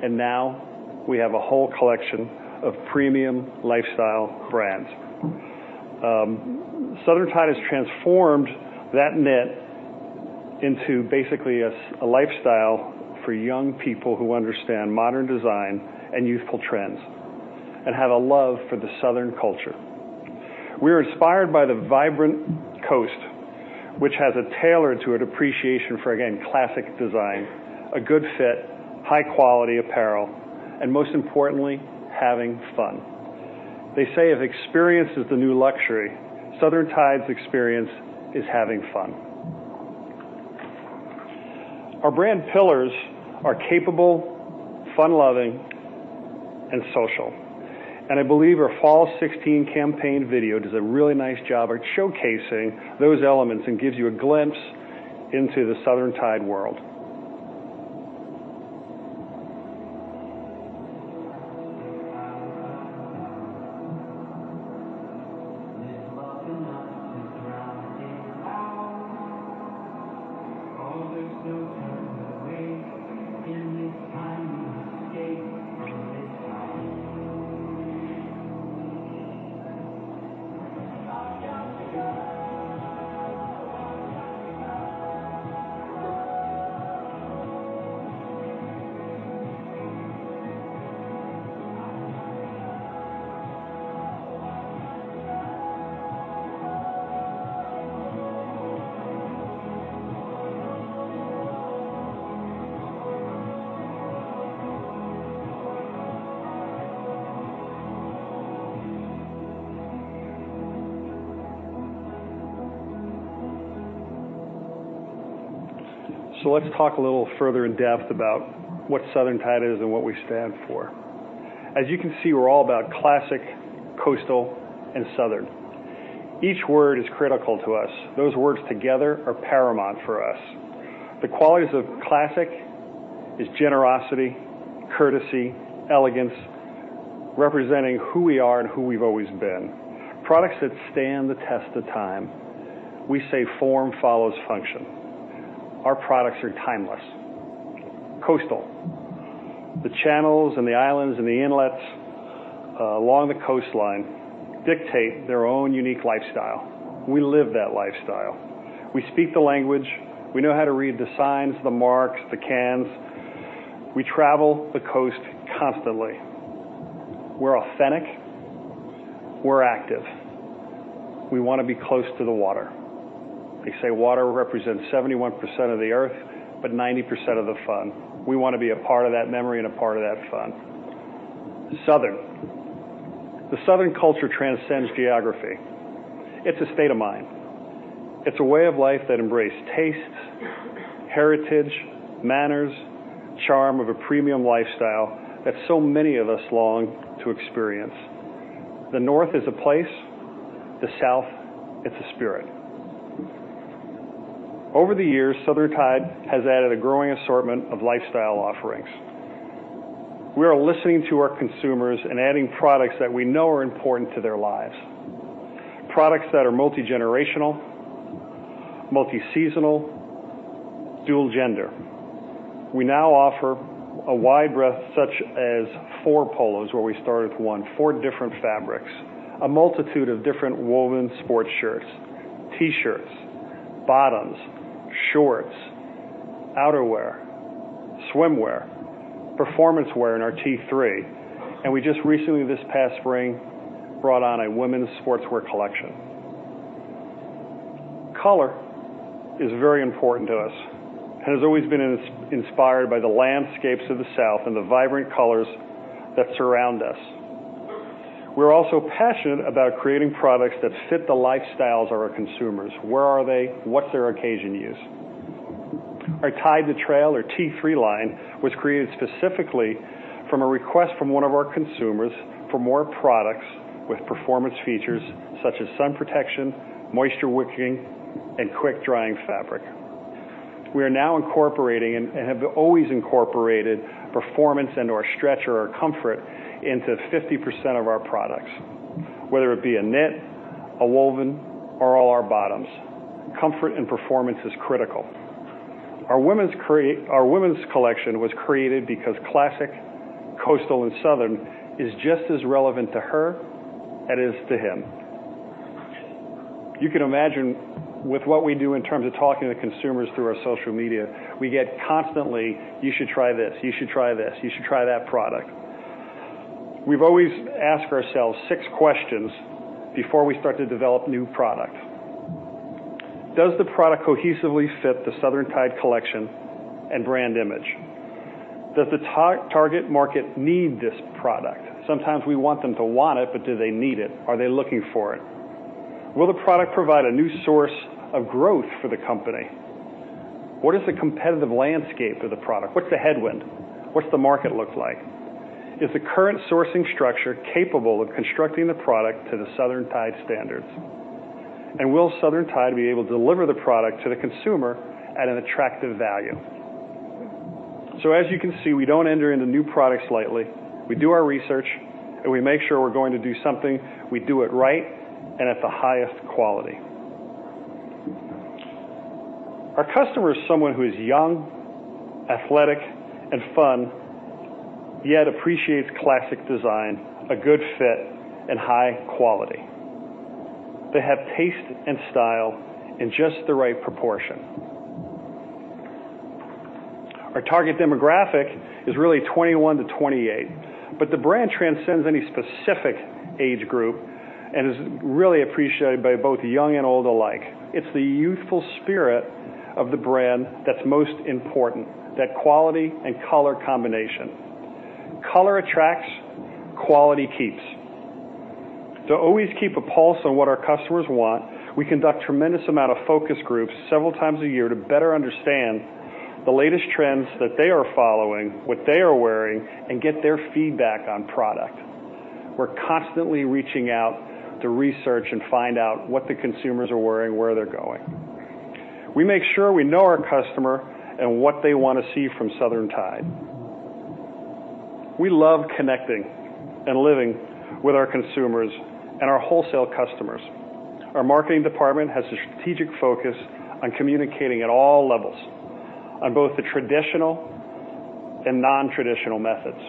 E: and now we have a whole collection of premium lifestyle brands. Southern Tide has transformed that knit into basically a lifestyle for young people who understand modern design and youthful trends, and have a love for the Southern culture. We are inspired by the vibrant coast, which has a tailored to it appreciation for, again, classic design, a good fit, high quality apparel, and most importantly, having fun. They say if experience is the new luxury, Southern Tide's experience is having fun. Our brand pillars are capable, fun-loving, and social, and I believe our fall 2016 campaign video does a really nice job at showcasing those elements and gives you a glimpse into the Southern Tide world. Let's talk a little further in depth about what Southern Tide is and what we stand for. As you can see, we're all about classic, coastal, and southern. Each word is critical to us. Those words together are paramount for us. The qualities of classic is generosity, courtesy, elegance, representing who we are and who we've always been. Products that stand the test of time. We say form follows function. Our products are timeless. Coastal. The channels and the islands and the inlets along the coastline dictate their own unique lifestyle. We live that lifestyle. We speak the language. We know how to read the signs, the marks, the cans. We travel the coast constantly. We're authentic. We're active. We want to be close to the water. They say water represents 71% of the earth, but 90% of the fun. We want to be a part of that memory and a part of that fun. Southern. The Southern culture transcends geography. It's a state of mind. It's a way of life that embrace tastes, heritage, manners, charm of a premium lifestyle that so many of us long to experience. The North is a place, the South, it's a spirit. Over the years, Southern Tide has added a growing assortment of lifestyle offerings. We are listening to our consumers and adding products that we know are important to their lives. Products that are multi-generational, multi-seasonal, dual gender. We now offer a wide breadth such as four polos where we started with one. Four different fabrics. A multitude of different woven sports shirts, T-shirts, bottoms, shorts, outerwear, swimwear, performance wear in our T3. We just recently this past spring, brought on a women's sportswear collection. Color is very important to us, and has always been inspired by the landscapes of the South and the vibrant colors that surround us. We are also passionate about creating products that fit the lifestyles of our consumers. Where are they? What is their occasion use? Our Tide to Trail, or T3 line, was created specifically from a request from one of our consumers for more products with performance features such as sun protection, moisture wicking, and quick drying fabric. We are now incorporating and have always incorporated performance into our stretch or our comfort into 50% of our products. Whether it be a knit, a woven, or all our bottoms. Comfort and performance is critical. Our women's collection was created because classic, coastal, and southern is just as relevant to her as it is to him. You can imagine with what we do in terms of talking to consumers through our social media, we get constantly, "You should try this. You should try this. You should try that product." We have always asked ourselves six questions before we start to develop new product. Does the product cohesively fit the Southern Tide collection and brand image? Does the target market need this product? Sometimes we want them to want it, but do they need it? Are they looking for it? Will the product provide a new source of growth for the company? What is the competitive landscape of the product? What is the headwind? What is the market look like? Is the current sourcing structure capable of constructing the product to the Southern Tide standards? Will Southern Tide be able to deliver the product to the consumer at an attractive value? As you can see, we do not enter into new products lightly. We do our research, and we make sure we are going to do something, we do it right and at the highest quality. Our customer is someone who is young, athletic, and fun, yet appreciates classic design, a good fit, and high quality. They have taste and style in just the right proportion. Our target demographic is really 21-28. The brand transcends any specific age group and is really appreciated by both young and old alike. It is the youthful spirit of the brand that is most important, that quality and color combination. Color attracts, quality keeps. To always keep a pulse on what our customers want, we conduct tremendous amount of focus groups several times a year to better understand the latest trends that they are following, what they are wearing, and get their feedback on product. We are constantly reaching out to research and find out what the consumers are wearing, where they are going. We make sure we know our customer and what they want to see from Southern Tide. We love connecting and living with our consumers and our wholesale customers. Our marketing department has a strategic focus on communicating at all levels, on both the traditional and non-traditional methods.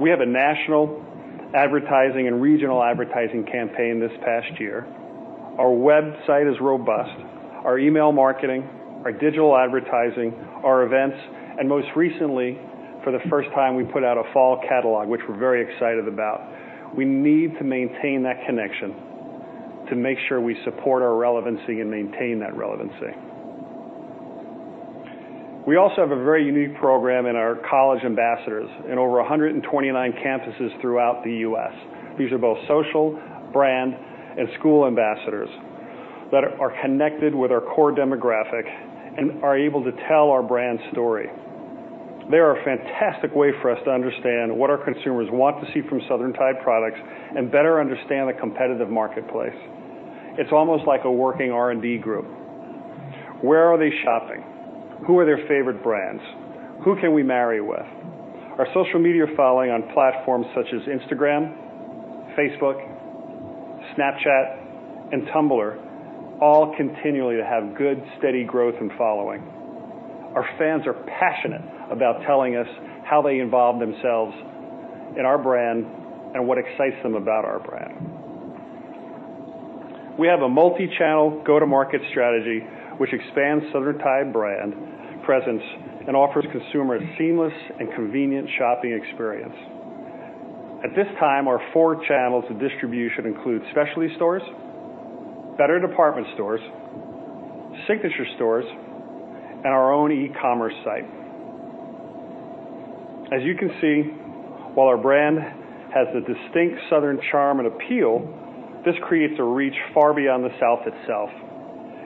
E: We have a national advertising and regional advertising campaign this past year. Our website is robust. Our email marketing, our digital advertising, our events, and most recently, for the first time, we put out a fall catalog, which we are very excited about. We need to maintain that connection to make sure we support our relevancy and maintain that relevancy. We also have a very unique program in our college ambassadors in over 129 campuses throughout the U.S. These are both social, brand, and school ambassadors that are connected with our core demographic and are able to tell our brand story. They are a fantastic way for us to understand what our consumers want to see from Southern Tide products and better understand the competitive marketplace. It's almost like a working R&D group. Where are they shopping? Who are their favorite brands? Who can we marry with? Our social media following on platforms such as Instagram, Facebook, Snapchat, and Tumblr all continually have good, steady growth and following. Our fans are passionate about telling us how they involve themselves in our brand and what excites them about our brand. We have a multi-channel go-to-market strategy, which expands Southern Tide brand presence and offers consumers seamless and convenient shopping experience. At this time, our four channels of distribution include specialty stores, better department stores, signature stores, and our own e-commerce site. As you can see, while our brand has the distinct Southern charm and appeal, this creates a reach far beyond the South itself.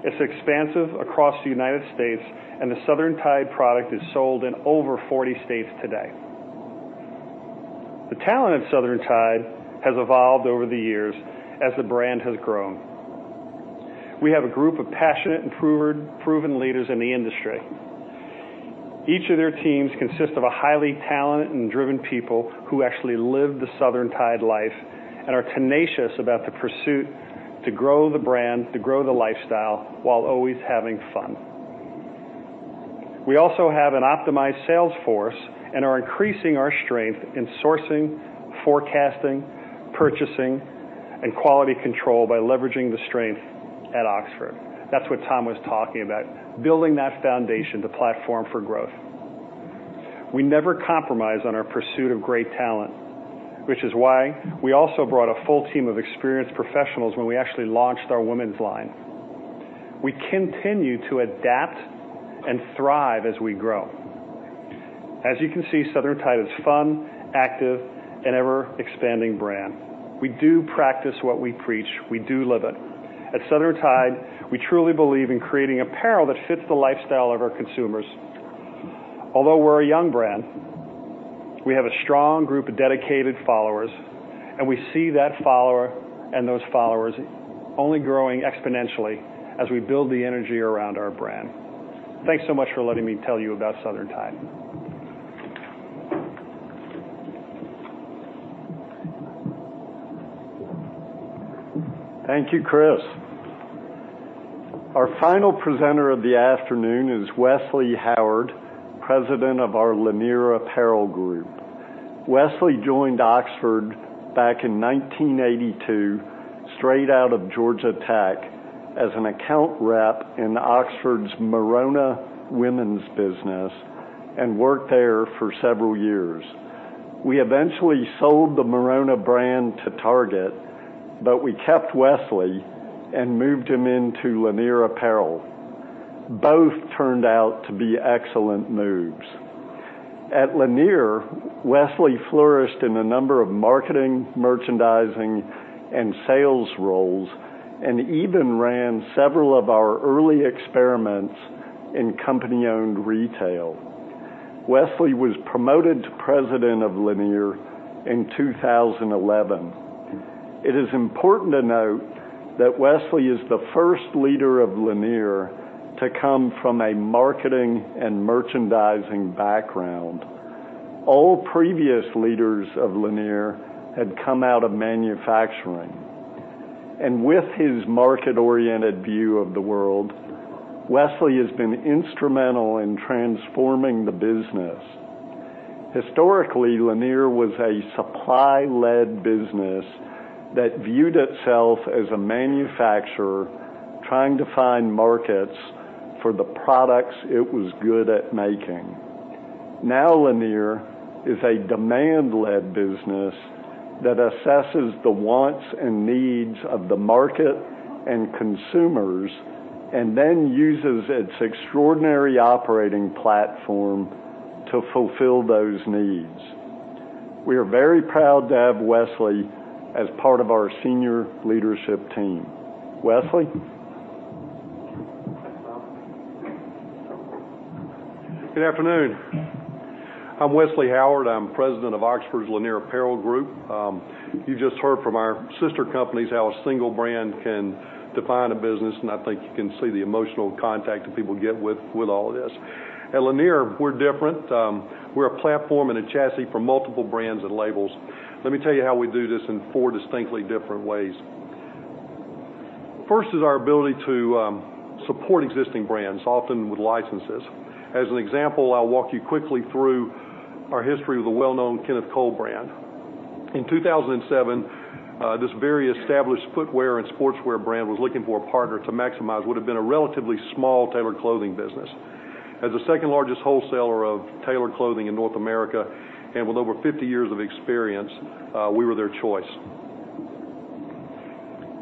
E: It's expansive across the United States, and the Southern Tide product is sold in over 40 states today. The talent at Southern Tide has evolved over the years as the brand has grown. We have a group of passionate and proven leaders in the industry. Each of their teams consist of a highly talented and driven people who actually live the Southern Tide life and are tenacious about the pursuit to grow the brand, to grow the lifestyle, while always having fun. We also have an optimized sales force and are increasing our strength in sourcing, forecasting, purchasing, and quality control by leveraging the strength at Oxford. That's what Tom was talking about, building that foundation, the platform for growth. We never compromise on our pursuit of great talent, which is why we also brought a full team of experienced professionals when we actually launched our women's line. We continue to adapt and thrive as we grow. As you can see, Southern Tide is fun, active, and ever-expanding brand. We do practice what we preach. We do live it. At Southern Tide, we truly believe in creating apparel that fits the lifestyle of our consumers. Although we're a young brand, we have a strong group of dedicated followers, and we see that follower and those followers only growing exponentially as we build the energy around our brand. Thanks so much for letting me tell you about Southern Tide.
A: Thank you, Chris. Our final presenter of the afternoon is Wesley Howard, President of our Lanier Apparel Group. Wesley joined Oxford back in 1982, straight out of Georgia Tech, as an account rep in Oxford's Merona women's business and worked there for several years. We eventually sold the Merona brand to Target, but we kept Wesley and moved him into Lanier Apparel. Both turned out to be excellent moves. At Lanier, Wesley flourished in a number of marketing, merchandising, and sales roles, and even ran several of our early experiments in company-owned retail. Wesley was promoted to president of Lanier in 2011. It is important to note that Wesley is the first leader of Lanier to come from a marketing and merchandising background. All previous leaders of Lanier had come out of manufacturing. With his market-oriented view of the world, Wesley has been instrumental in transforming the business. Historically, Lanier was a supply-led business that viewed itself as a manufacturer trying to find markets for the products it was good at making. Now, Lanier is a demand-led business that assesses the wants and needs of the market and consumers and then uses its extraordinary operating platform to fulfill those needs. We are very proud to have Wesley as part of our senior leadership team. Wesley?
F: Good afternoon. I'm Wesley Howard. I'm President of Oxford's Lanier Apparel Group. You just heard from our sister companies how a single brand can define a business, and I think you can see the emotional contact that people get with all of this. At Lanier, we're different. We're a platform and a chassis for multiple brands and labels. Let me tell you how we do this in four distinctly different ways. First is our ability to support existing brands, often with licenses. As an example, I'll walk you quickly through our history with the well-known Kenneth Cole brand. In 2007, this very established footwear and sportswear brand was looking for a partner to maximize would've been a relatively small tailored clothing business. As the second-largest wholesaler of tailored clothing in North America, with over 50 years of experience, we were their choice.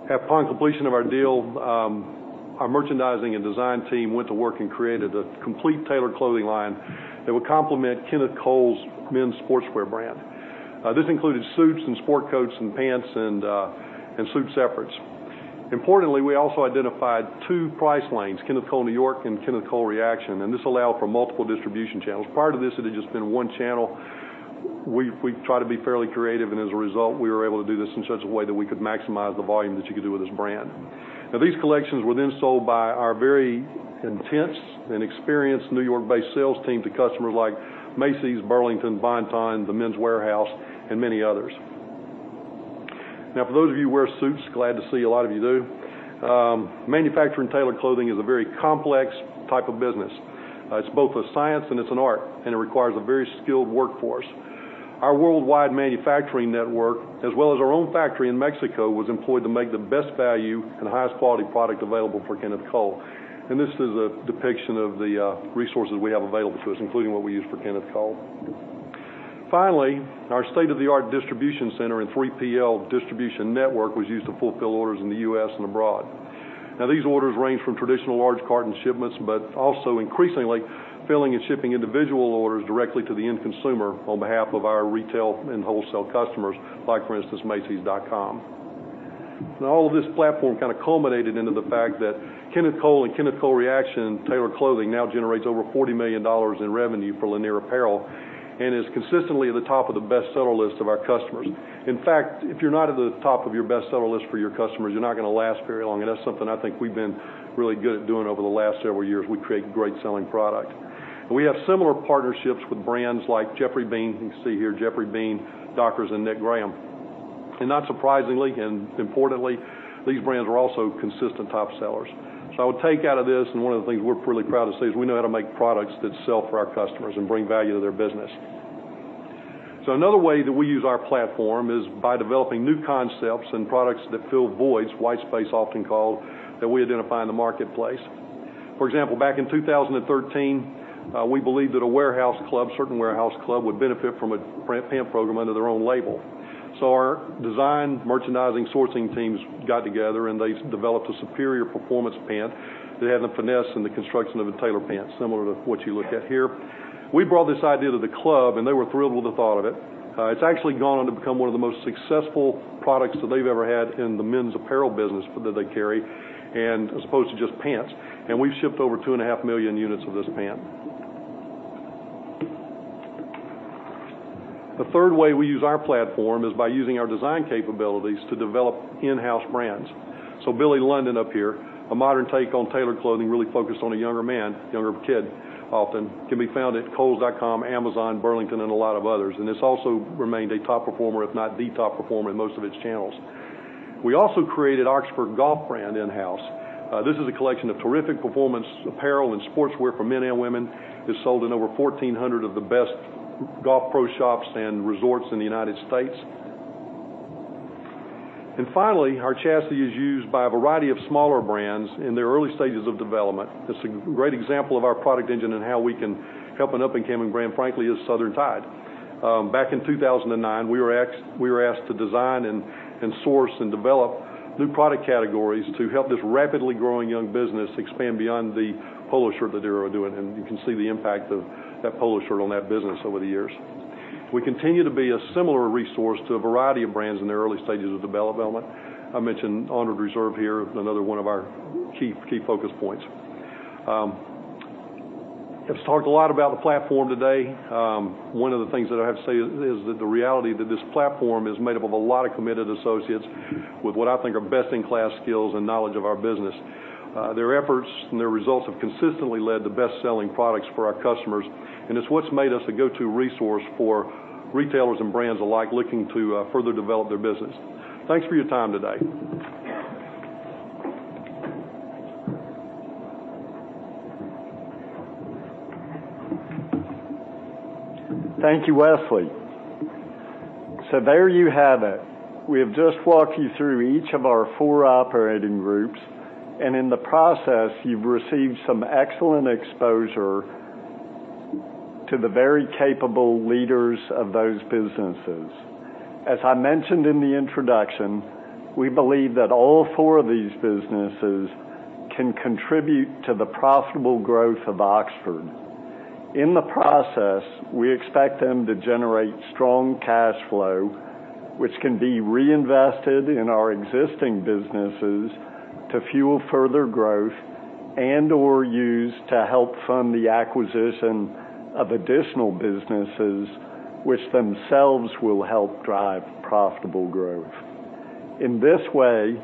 F: Upon completion of our deal, our merchandising and design team went to work and created a complete tailored clothing line that would complement Kenneth Cole's men's sportswear brand. This included suits and sport coats and pants and suit separates. Importantly, we also identified two price lanes, Kenneth Cole New York and Kenneth Cole Reaction, and this allowed for multiple distribution channels. Prior to this, it had just been one channel. We try to be fairly creative, and as a result, we were able to do this in such a way that we could maximize the volume that you could do with this brand. These collections were then sold by our very intense and experienced New York-based sales team to customers like Macy's, Burlington, Bon-Ton, the Men's Wearhouse, and many others. For those of you who wear suits, glad to see a lot of you do, manufacturing tailored clothing is a very complex type of business. It's both a science and it's an art, it requires a very skilled workforce. Our worldwide manufacturing network, as well as our own factory in Mexico, was employed to make the best value and highest quality product available for Kenneth Cole. This is a depiction of the resources we have available to us, including what we use for Kenneth Cole. Finally, our state-of-the-art distribution center and 3PL distribution network was used to fulfill orders in the U.S. and abroad. These orders range from traditional large carton shipments, but also increasingly, filling and shipping individual orders directly to the end consumer on behalf of our retail and wholesale customers like, for instance, macys.com. All of this platform kind of culminated into the fact that Kenneth Cole and Kenneth Cole Reaction tailored clothing now generates over $40 million in revenue for Lanier Apparel and is consistently at the top of the bestseller list of our customers. In fact, if you're not at the top of your bestseller list for your customers, you're not gonna last very long, and that's something I think we've been really good at doing over the last several years. We create great selling product. We have similar partnerships with brands like Geoffrey Beene. You can see here Geoffrey Beene, Dockers, and Nick Graham. Not surprisingly, and importantly, these brands are also consistent top sellers. I would take out of this, one of the things we're really proud to say is we know how to make products that sell for our customers and bring value to their business. Another way that we use our platform is by developing new concepts and products that fill voids, white space often called, that we identify in the marketplace. For example, back in 2013, we believed that a warehouse club, certain warehouse club, would benefit from a pant program under their own label. Our design merchandising sourcing teams got together, and they developed a superior performance pant that had the finesse and the construction of a tailored pant, similar to what you look at here. We brought this idea to the club, and they were thrilled with the thought of it. It's actually gone on to become one of the most successful products that they've ever had in the men's apparel business that they carry and as opposed to just pants. We've shipped over two and a half million units of this pant. The third way we use our platform is by using our design capabilities to develop in-house brands. Billy London up here, a modern take on tailored clothing really focused on a younger man, younger kid often, can be found at kohls.com, Amazon, Burlington, and a lot of others. It's also remained a top performer, if not the top performer in most of its channels. We also created Oxford Golf brand in-house. This is a collection of terrific performance apparel and sportswear for men and women. It's sold in over 1,400 of the best golf pro shops and resorts in the U.S. Finally, our chassis is used by a variety of smaller brands in their early stages of development. It's a great example of our product engine and how we can help an up-and-coming brand, frankly, is Southern Tide. Back in 2009, we were asked to design, and source, and develop new product categories to help this rapidly growing young business expand beyond the polo shirt that they were doing. You can see the impact of that polo shirt on that business over the years. We continue to be a similar resource to a variety of brands in their early stages of development. I mentioned Honored Reserve here, another one of our key focus points. Have talked a lot about the platform today. One of the things that I have to say is that the reality that this platform is made up of a lot of committed associates with what I think are best-in-class skills and knowledge of our business. Their efforts and their results have consistently led to best-selling products for our customers, and it's what's made us a go-to resource for retailers and brands alike looking to further develop their business. Thanks for your time today.
A: Thank you, Wesley. There you have it. We have just walked you through each of our four operating groups, and in the process, you've received some excellent exposure to the very capable leaders of those businesses. As I mentioned in the introduction, we believe that all four of these businesses can contribute to the profitable growth of Oxford. In the process, we expect them to generate strong cash flow, which can be reinvested in our existing businesses to fuel further growth and/or used to help fund the acquisition of additional businesses, which themselves will help drive profitable growth. In this way,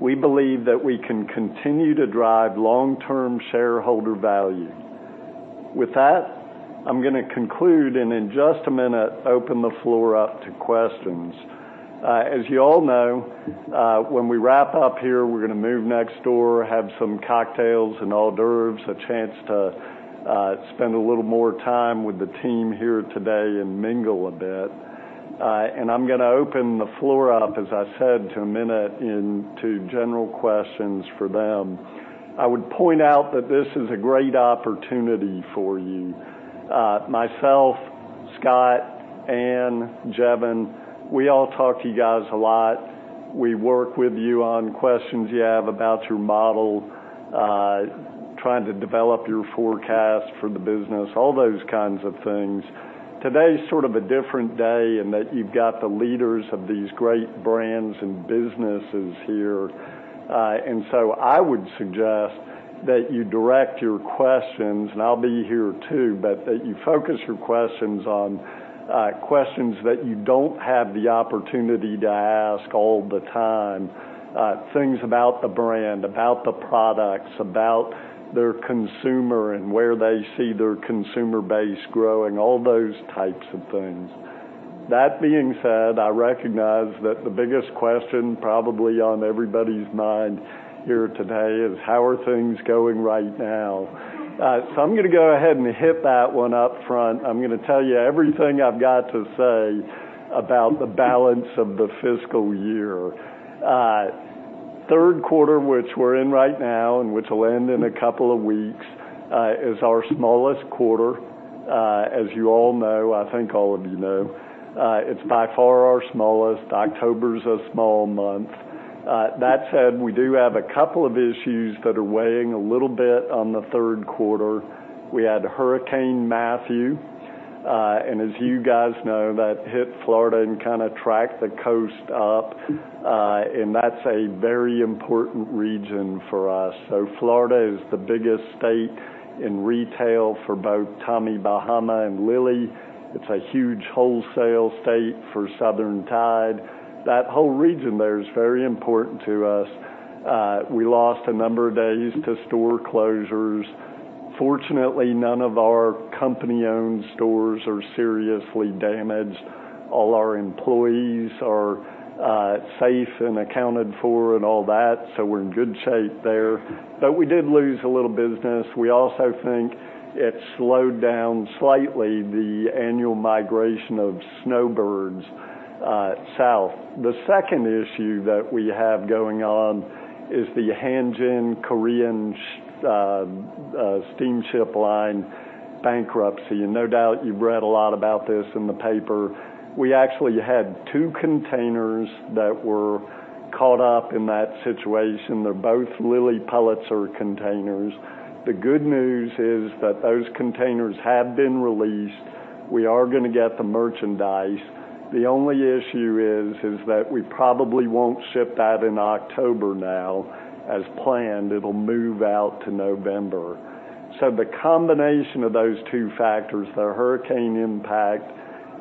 A: we believe that we can continue to drive long-term shareholder value. With that, I'm going to conclude, and in just a minute, open the floor up to questions. As you all know, when we wrap up here, we're going to move next door, have some cocktails and hors d'oeuvres, a chance to spend a little more time with the team here today and mingle a bit. I'm going to open the floor up, as I said, in a minute, into general questions for them. I would point out that this is a great opportunity for you. Myself, Scott, Anne, Jevon, we all talk to you guys a lot. We work with you on questions you have about your model, trying to develop your forecast for the business, all those kinds of things. Today's sort of a different day in that you've got the leaders of these great brands and businesses here. I would suggest that you direct your questions, and I'll be here, too, but that you focus your questions on questions that you don't have the opportunity to ask all the time. Things about the brand, about the products, about their consumer and where they see their consumer base growing, all those types of things. That being said, I recognize that the biggest question probably on everybody's mind here today is how are things going right now? I'm going to go ahead and hit that one up front. I'm going to tell you everything I've got to say about the balance of the fiscal year. Third quarter, which we're in right now and which will end in a couple of weeks, is our smallest quarter. As you all know, I think all of you know, it's by far our smallest. October's a small month. That said, we do have a couple of issues that are weighing a little bit on the third quarter. We had Hurricane Matthew, and as you guys know, that hit Florida and kind of tracked the coast up, and that's a very important region for us. Florida is the biggest state in retail for both Tommy Bahama and Lilly. It's a huge wholesale state for Southern Tide. That whole region there is very important to us. We lost a number of days to store closures. Fortunately, none of our company-owned stores are seriously damaged. All our employees are safe and accounted for and all that, so we're in good shape there. We did lose a little business. We also think it slowed down slightly the annual migration of snowbirds south. The second issue that we have going on is the Hanjin Shipping bankruptcy, and no doubt you've read a lot about this in the paper. We actually had 2 containers that were caught up in that situation. They're both Lilly Pulitzer containers. The good news is that those containers have been released. We are going to get the merchandise. The only issue is that we probably won't ship that in October now as planned. It'll move out to November. The combination of those 2 factors, the hurricane impact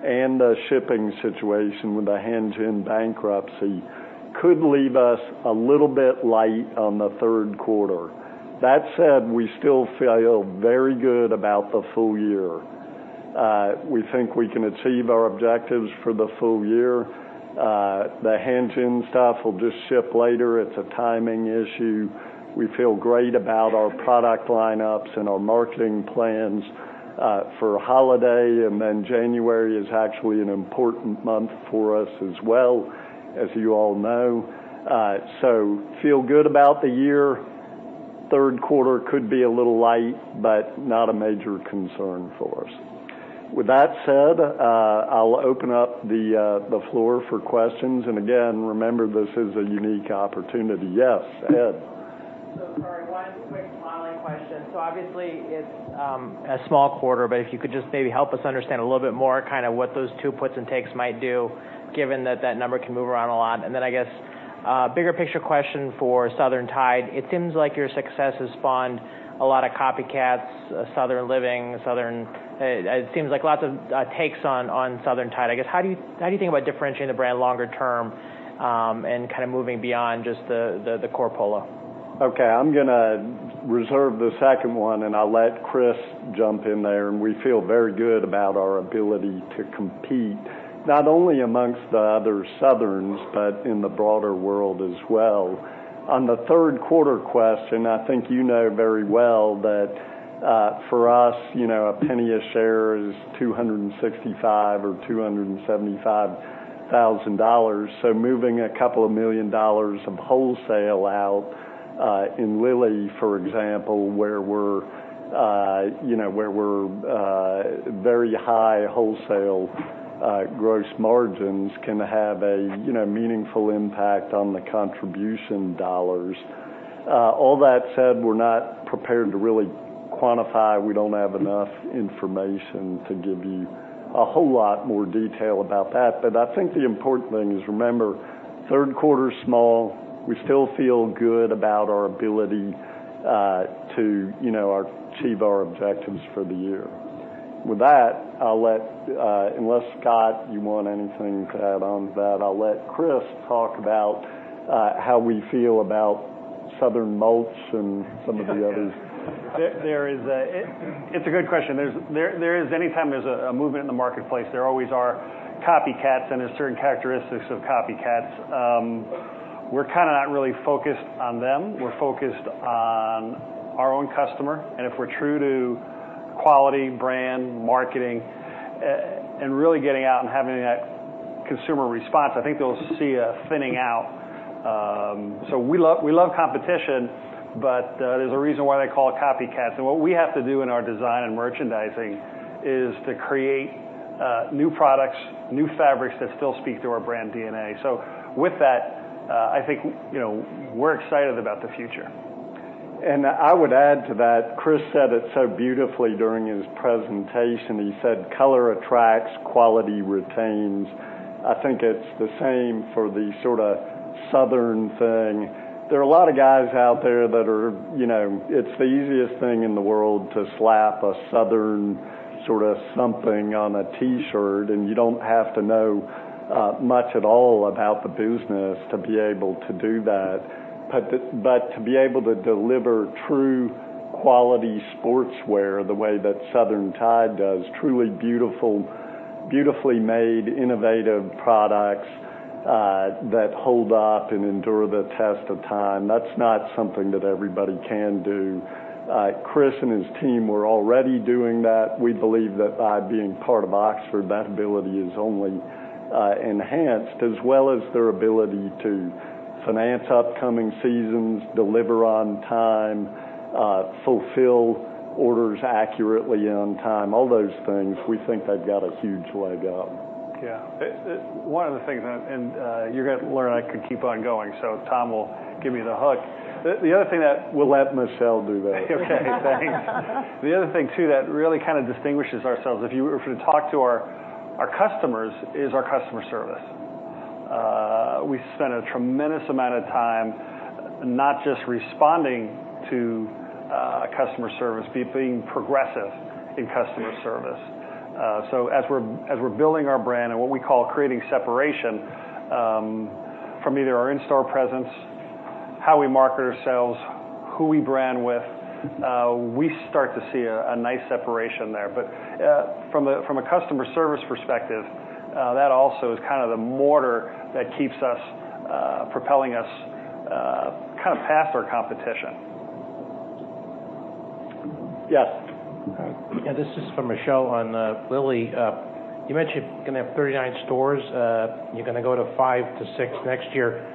A: and the shipping situation with the Hanjin bankruptcy, could leave us a little bit light on the third quarter. That said, we still feel very good about the full year. We think we can achieve our objectives for the full year. The Hanjin stuff will just ship later. It's a timing issue. We feel great about our product lineups and our marketing plans for holiday. January is actually an important month for us as well, as you all know. Feel good about the year. Third quarter could be a little light, not a major concern for us. With that said, I'll open up the floor for questions. Again, remember, this is a unique opportunity. Yes, Ed.
G: Sorry, one quick following question. Obviously it's a small quarter, but if you could just maybe help us understand a little bit more kind of what those two puts and takes might do, given that that number can move around a lot. I guess, bigger picture question for Southern Tide. It seems like your success has spawned a lot of copycats, Southern Living. It seems like lots of takes on Southern Tide. I guess, how do you think about differentiating the brand longer term, and kind of moving beyond just the core polo?
A: Okay. I'm going to reserve the second one. I'll let Chris jump in there. We feel very good about our ability to compete, not only amongst the other Southerns, but in the broader world as well. On the third quarter question, I think you know very well that for us, a penny a share is $265,000 or $275,000. Moving a couple of million dollars of wholesale out in Lilly, for example, where we're very high wholesale gross margins can have a meaningful impact on the contribution dollars. All that said, we're not prepared to really quantify. We don't have enough information to give you a whole lot more detail about that. I think the important thing is, remember, third quarter is small. We still feel good about our ability to achieve our objectives for the year. With that, unless Scott, you want anything to add on to that, I'll let Chris talk about how we feel about Southern brands and some of the others.
E: It's a good question. Anytime there's a movement in the marketplace, there always are copycats. There's certain characteristics of copycats. We're kind of not really focused on them. We're focused on our own customer. If we're true to quality, brand, marketing, and really getting out and having that consumer response, I think they'll see a thinning out. We love competition. There's a reason why they call it copycats. What we have to do in our design and merchandising is to create new products, new fabrics that still speak to our brand DNA. With that, I think we're excited about the future.
A: I would add to that, Chris said it so beautifully during his presentation. He said color attracts, quality retains. I think it's the same for the sort of Southern thing. It's the easiest thing in the world to slap a Southern sort of something on a T-shirt, and you don't have to know much at all about the business to be able to do that. But to be able to deliver true quality sportswear the way that Southern Tide does, truly beautifully made, innovative products that hold up and endure the test of time, that's not something that everybody can do. Chris and his team were already doing that. We believe that by being part of Oxford, that ability is only enhanced, as well as their ability to finance upcoming seasons, deliver on time, fulfill orders accurately on time, all those things, we think they've got a huge leg up.
E: Yeah. One of the things, you're going to learn I could keep on going, Tom will give me the hook. The other thing.
A: We'll let Michelle do that.
E: Okay, thanks. The other thing too that really kind of distinguishes ourselves, if you were to talk to our customers, is our customer service. We spend a tremendous amount of time not just responding to customer service, but being progressive in customer service. As we're building our brand and what we call creating separation from either our in-store presence, how we market ourselves, who we brand with, we start to see a nice separation there. From a customer service perspective, that also is kind of the mortar that keeps propelling us kind of past our competition.
A: Yes.
G: Yeah, this is for Michelle on Lilly. You mentioned you're going to have 39 stores. You're going to go to five to six next year.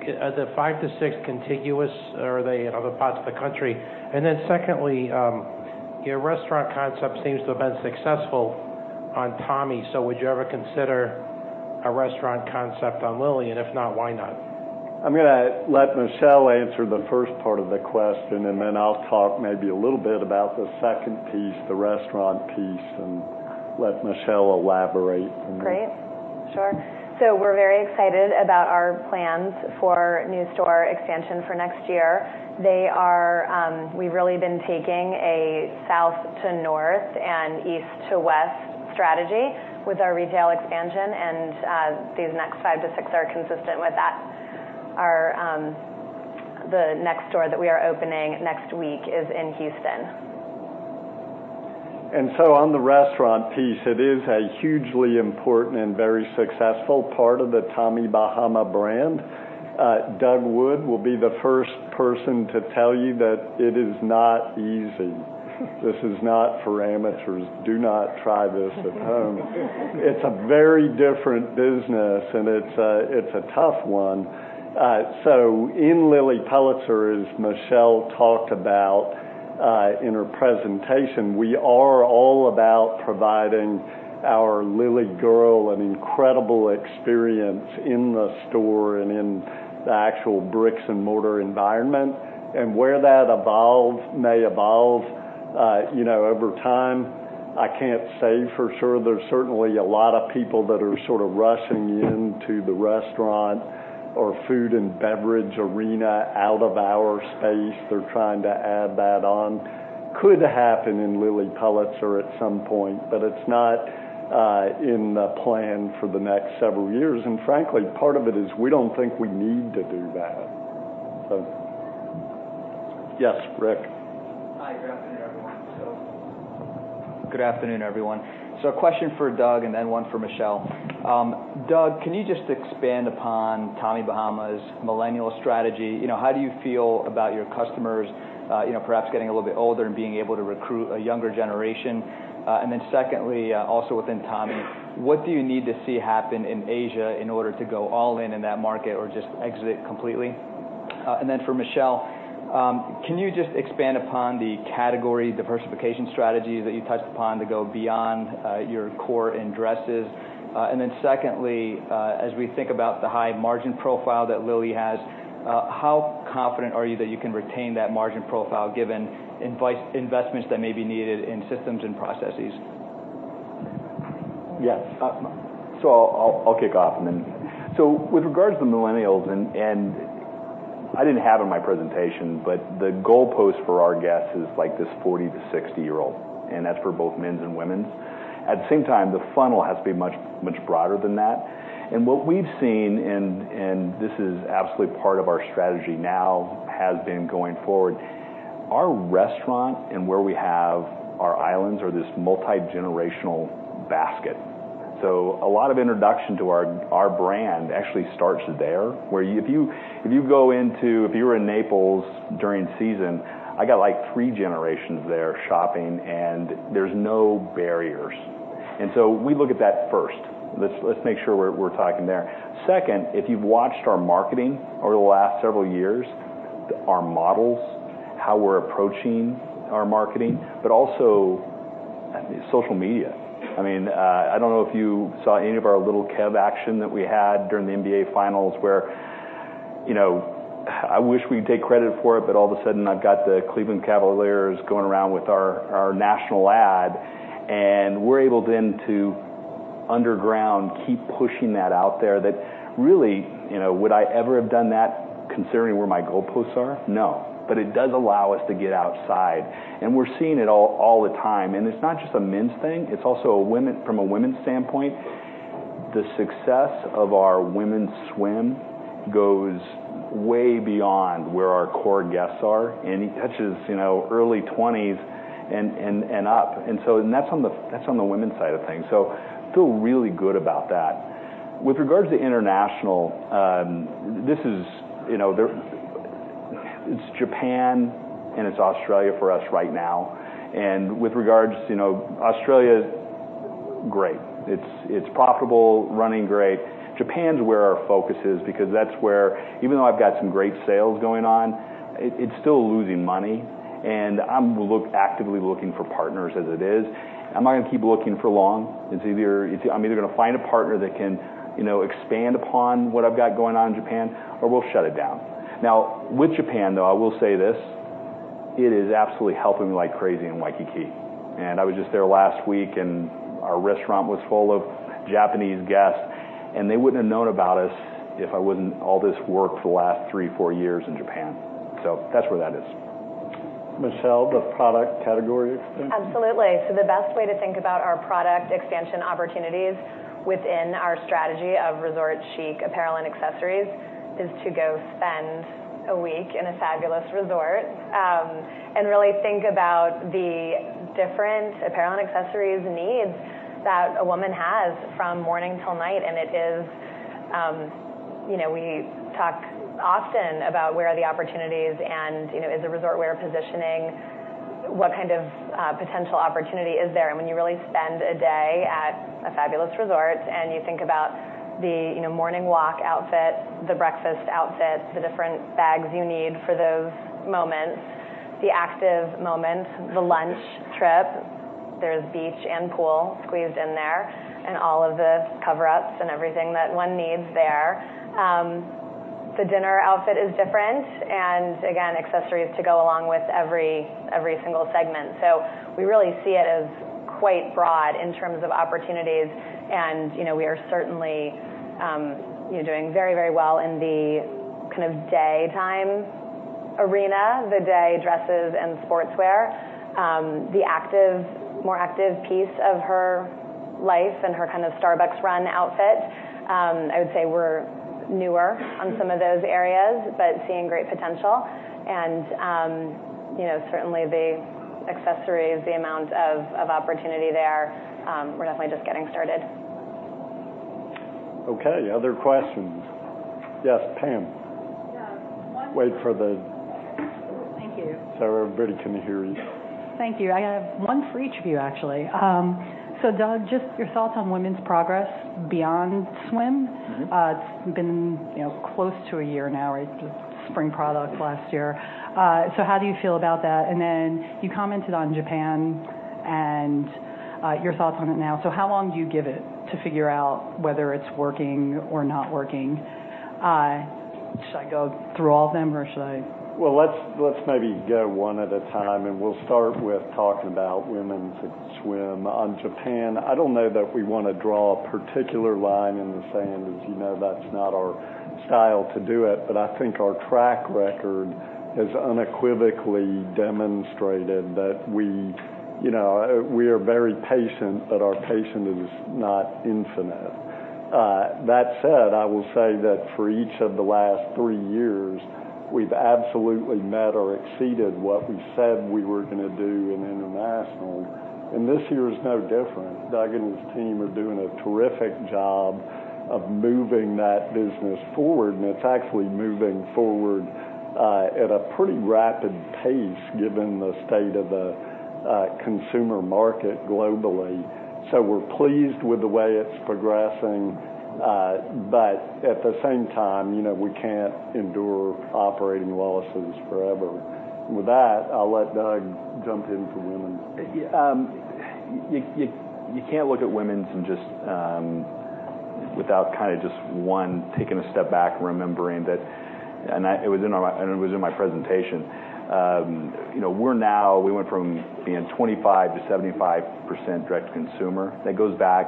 G: Are the five to six contiguous, or are they in other parts of the country? Secondly, your restaurant concept seems to have been successful on Tommy. Would you ever consider a restaurant concept on Lilly? If not, why not?
A: I'm going to let Michelle answer the first part of the question, and then I'll talk maybe a little bit about the second piece, the restaurant piece, and let Michelle elaborate.
D: Great. Sure. We're very excited about our plans for new store expansion for next year. We've really been taking a south to north and east to west strategy with our retail expansion, these next five to six are consistent with that. The next store that we are opening next week is in Houston.
A: On the restaurant piece, it is a hugely important and very successful part of the Tommy Bahama brand. Doug Wood will be the first person to tell you that it is not easy. This is not for amateurs. Do not try this at home. It's a very different business, and it's a tough one. In Lilly Pulitzer, as Michelle talked about in her presentation, we are all about providing our Lilly girl an incredible experience in the store and in the actual bricks and mortar environment. Where that may evolve over time, I can't say for sure. There's certainly a lot of people that are sort of rushing into the restaurant or food and beverage arena out of our space. They're trying to add that on. Could happen in Lilly Pulitzer at some point, but it's not in the plan for the next several years. Frankly, part of it is we don't think we need to do that. Yes, Rick.
G: Hi, good afternoon, everyone. A question for Doug, and then one for Michelle. Doug, can you just expand upon Tommy Bahama's millennial strategy? How do you feel about your customers perhaps getting a little bit older and being able to recruit a younger generation? Secondly, also within Tommy, what do you need to see happen in Asia in order to go all in in that market or just exit completely? For Michelle, can you just expand upon the category diversification strategy that you touched upon to go beyond your core in dresses? Secondly, as we think about the high margin profile that Lilly has, how confident are you that you can retain that margin profile given investments that may be needed in systems and processes?
B: Yes. I'll kick off. With regards to the millennials, I didn't have in my presentation, but the goalpost for our guests is like this 40-60-year-old, and that's for both men's and women's. At the same time, the funnel has to be much broader than that. What we've seen, and this is absolutely part of our strategy now, has been going forward. Our restaurant and where we have our islands are this multigenerational basket. A lot of introduction to our brand actually starts there, where if you were in Naples during season, I got like three generations there shopping, and there's no barriers. We look at that first. Let's make sure we're talking there. Second, if you've watched our marketing over the last several years, our models, how we're approaching our marketing, but also social media. I don't know if you saw any of our Lil' Kev action that we had during the NBA finals where I wish we could take credit for it, but all of a sudden, I've got the Cleveland Cavaliers going around with our national ad, and we're able then to underground keep pushing that out there that really, would I ever have done that considering where my goalposts are? No. It does allow us to get outside, and we're seeing it all the time. It's not just a men's thing, it's also from a women's standpoint. The success of our women's swim goes way beyond where our core guests are, and it touches early 20s and up. That's on the women's side of things. Feel really good about that. With regards to international, it's Japan and it's Australia for us right now. With regards, Australia is great. It's profitable, running great. Japan's where our focus is because that's where, even though I've got some great sales going on, it's still losing money, and I'm actively looking for partners as it is. I'm not going to keep looking for long. I'm either going to find a partner that can expand upon what I've got going on in Japan, or we'll shut it down. Now, with Japan, though, I will say this, it is absolutely helping me like crazy in Waikiki. I was just there last week, and our restaurant was full of Japanese guests, and they wouldn't have known about us if I wouldn't all this work for the last three, four years in Japan. That's where that is.
A: Michelle, the product category expansion.
D: Absolutely. The best way to think about our product expansion opportunities within our strategy of resort chic apparel and accessories is to go spend a week in a fabulous resort and really think about the different apparel and accessories needs that a woman has from morning till night. We talk often about where are the opportunities and as a resort, we're positioning what kind of potential opportunity is there. When you really spend a day at a fabulous resort and you think about the morning walk outfit, the breakfast outfit, the different bags you need for those moments, the active moments, the lunch trip. There's beach and pool squeezed in there, and all of the coverups and everything that one needs there. The dinner outfit is different, and again, accessories to go along with every single segment. We really see it as quite broad in terms of opportunities, and we are certainly doing very well in the kind of daytime arena, the day dresses and sportswear. The more active piece of her life and her kind of Starbucks run outfit, I would say we're newer on some of those areas, but seeing great potential and certainly the accessories, the amount of opportunity there, we're definitely just getting started.
A: Okay, other questions? Yes, Pam.
G: Yeah.
A: Wait for the
G: Thank you.
A: Everybody can hear you.
G: Thank you. I have one for each of you, actually. Doug, just your thoughts on women's progress beyond Swim. It's been close to a year now. It's just spring product last year. How do you feel about that? Then you commented on Japan and your thoughts on it now. How long do you give it to figure whether it's working or not working? Should I go through all of them or should I-
A: Well, let's maybe go one at a time, and we'll start with talking about women's at Swim. On Japan, I don't know that we want to draw a particular line in the sand, as you know that's not our style to do it. I think our track record has unequivocally demonstrated that we are very patient, but our patience is not infinite. That said, I will say that for each of the last 3 years, we've absolutely met or exceeded what we said we were going to do in international, and this year is no different. Doug and his team are doing a terrific job of moving that business forward, and it's actually moving forward at a pretty rapid pace given the state of the consumer market globally. We're pleased with the way it's progressing. At the same time, we can't endure operating losses forever. With that, I'll let Doug jump in for women's.
B: You can't look at women's without kind of just, one, taking a step back and remembering that, and it was in my presentation. We went from being 25% to 75% direct-to-consumer. That goes back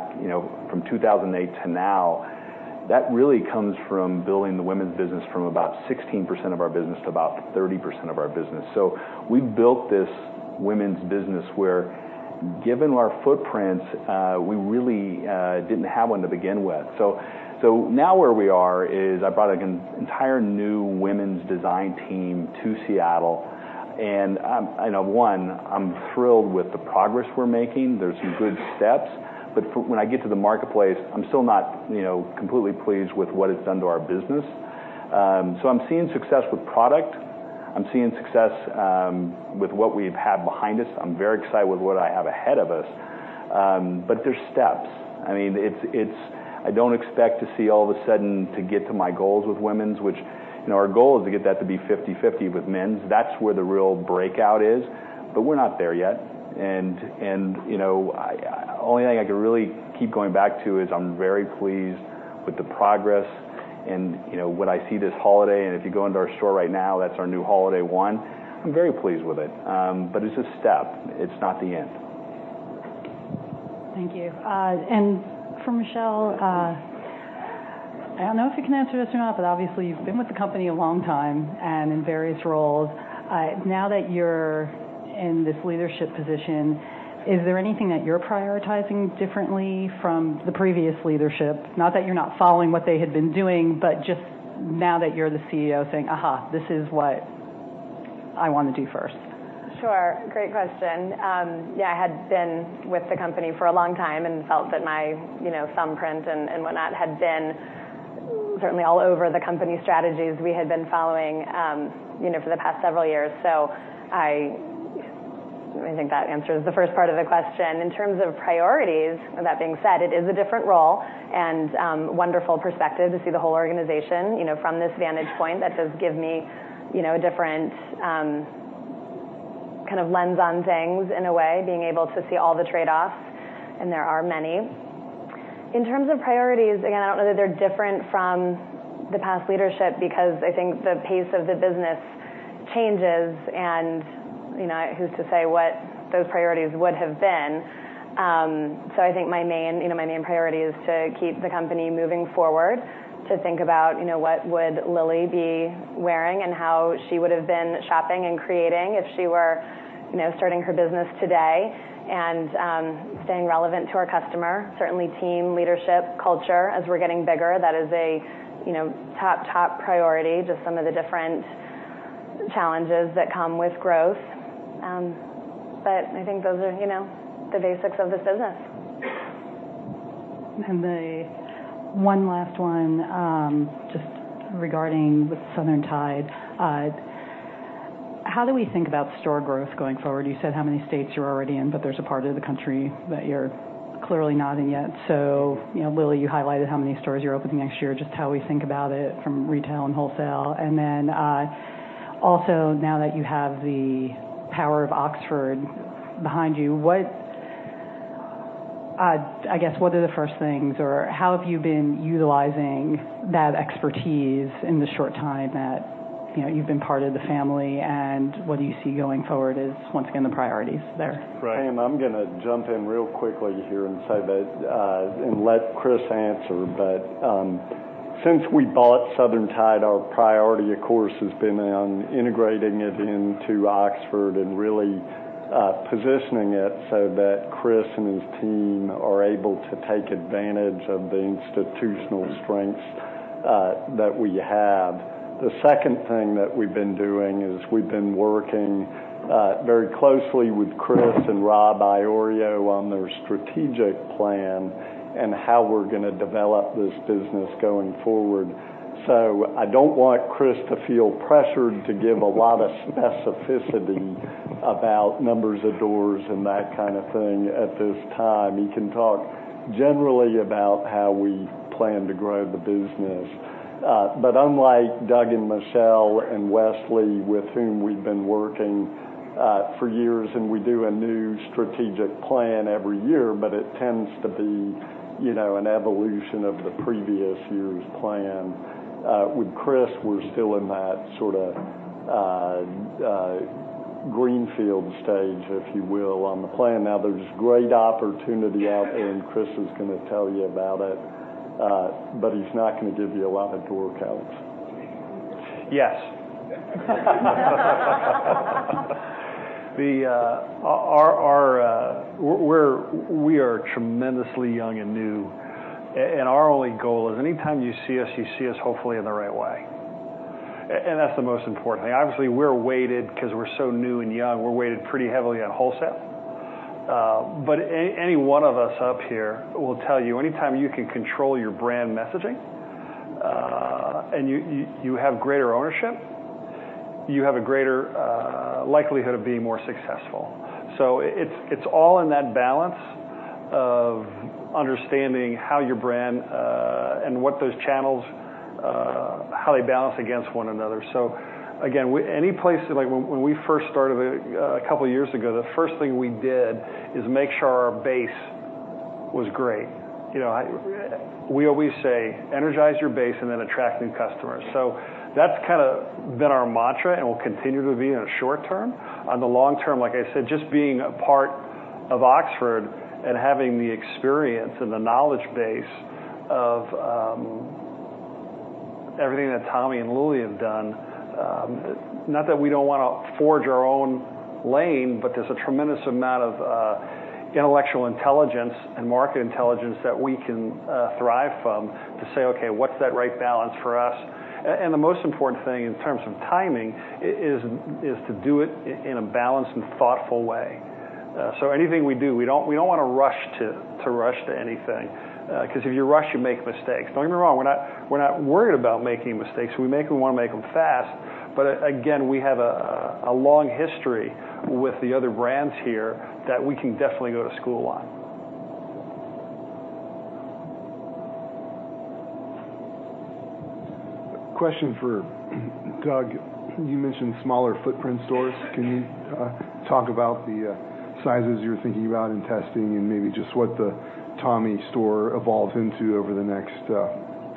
B: from 2008 to now. That really comes from building the women's business from about 16% of our business to about 30% of our business. We built this women's business where, given our footprints, we really didn't have one to begin with. Now where we are is I brought an entire new women's design team to Seattle, and, one, I'm thrilled with the progress we're making. There's some good steps. When I get to the marketplace, I'm still not completely pleased with what it's done to our business. I'm seeing success with product. I'm seeing success with what we've had behind us. I'm very excited with what I have ahead of us, but there's steps. I don't expect to see all of a sudden to get to my goals with women's, which our goal is to get that to be 50/50 with men's. That's where the real breakout is, but we're not there yet. The only thing I can really keep going back to is I'm very pleased with the progress and what I see this holiday. If you go into our store right now, that's our new holiday one. I'm very pleased with it. It's a step. It's not the end.
G: Thank you. For Michelle, I don't know if you can answer this or not, but obviously you've been with the company a long time and in various roles. Now that you're in this leadership position, is there anything that you're prioritizing differently from the previous leadership? Not that you're not following what they had been doing, but just now that you're the CEO saying, "Aha, this is what I want to do first.
D: Sure. Great question. I had been with the company for a long time and felt that my thumbprint and whatnot had been certainly all over the company strategies we had been following for the past several years. I think that answers the first part of the question. In terms of priorities, and that being said, it is a different role and wonderful perspective to see the whole organization from this vantage point. That does give me a different kind of lens on things in a way, being able to see all the trade-offs, and there are many. In terms of priorities, again, I don't know that they're different from the past leadership because I think the pace of the business changes, and who's to say what those priorities would have been. I think my main priority is to keep the company moving forward, to think about what would Lilly be wearing and how she would've been shopping and creating if she were starting her business today, and staying relevant to our customer. Certainly team leadership, culture, as we're getting bigger. That is a top priority, just some of the different challenges that come with growth. I think those are the basics of the business.
G: The one last one, just regarding with Southern Tide. How do we think about store growth going forward? You said how many states you're already in, but there's a part of the country that you're clearly not in yet. Lilly, you highlighted how many stores you're opening next year, just how we think about it from retail and wholesale. Also now that you have the power of Oxford behind you, I guess what are the first things, or how have you been utilizing that expertise in the short time that you've been part of the family, and what do you see going forward as, once again, the priorities there?
A: Pam, I'm going to jump in real quickly here and say that, and let Chris answer, but since we bought Southern Tide, our priority of course has been on integrating it into Oxford and really positioning it so that Chris and his team are able to take advantage of the institutional strengths that we have. The second thing that we've been doing is we've been working very closely with Chris and Rob Iorio on their strategic plan and how we're going to develop this business going forward. I don't want Chris to feel pressured to give a lot of specificity about numbers of doors and that kind of thing at this time. He can talk generally about how we plan to grow the business. Unlike Doug and Michelle and Wesley, with whom we've been working for years, and we do a new strategic plan every year, but it tends to be an evolution of the previous year's plan. With Chris, we're still in that sort of greenfield stage, if you will, on the plan. There's great opportunity out there, and Chris is going to tell you about it, but he's not going to give you a lot of door counts.
E: Yes. We are tremendously young and new, and our only goal is any time you see us, you see us, hopefully, in the right way. That's the most important thing. Obviously, because we're so new and young, we're weighted pretty heavily on wholesale. Any one of us up here will tell you, any time you can control your brand messaging, and you have greater ownership, you have a greater likelihood of being more successful. It's all in that balance of understanding how your brand, and what those channels, how they balance against one another. Again, when we first started a couple of years ago, the first thing we did is make sure our base was great. We always say, "Energize your base and then attract new customers." That's kind of been our mantra and will continue to be in the short term. On the long term, like I said, just being a part of Oxford and having the experience and the knowledge base of everything that Tommy and Lilly have done. Not that we don't want to forge our own lane, but there's a tremendous amount of intellectual intelligence and market intelligence that we can thrive from to say, "Okay, what's that right balance for us?" The most important thing in terms of timing is to do it in a balanced and thoughtful way. Anything we do, we don't want to rush to anything. If you rush, you make mistakes. Don't get me wrong, we're not worried about making mistakes. If we make them, we want to make them fast. Again, we have a long history with the other brands here that we can definitely go to school on.
G: Question for Doug. You mentioned smaller footprint stores. Can you talk about the sizes you're thinking about in testing and maybe just what the Tommy store evolves into over the next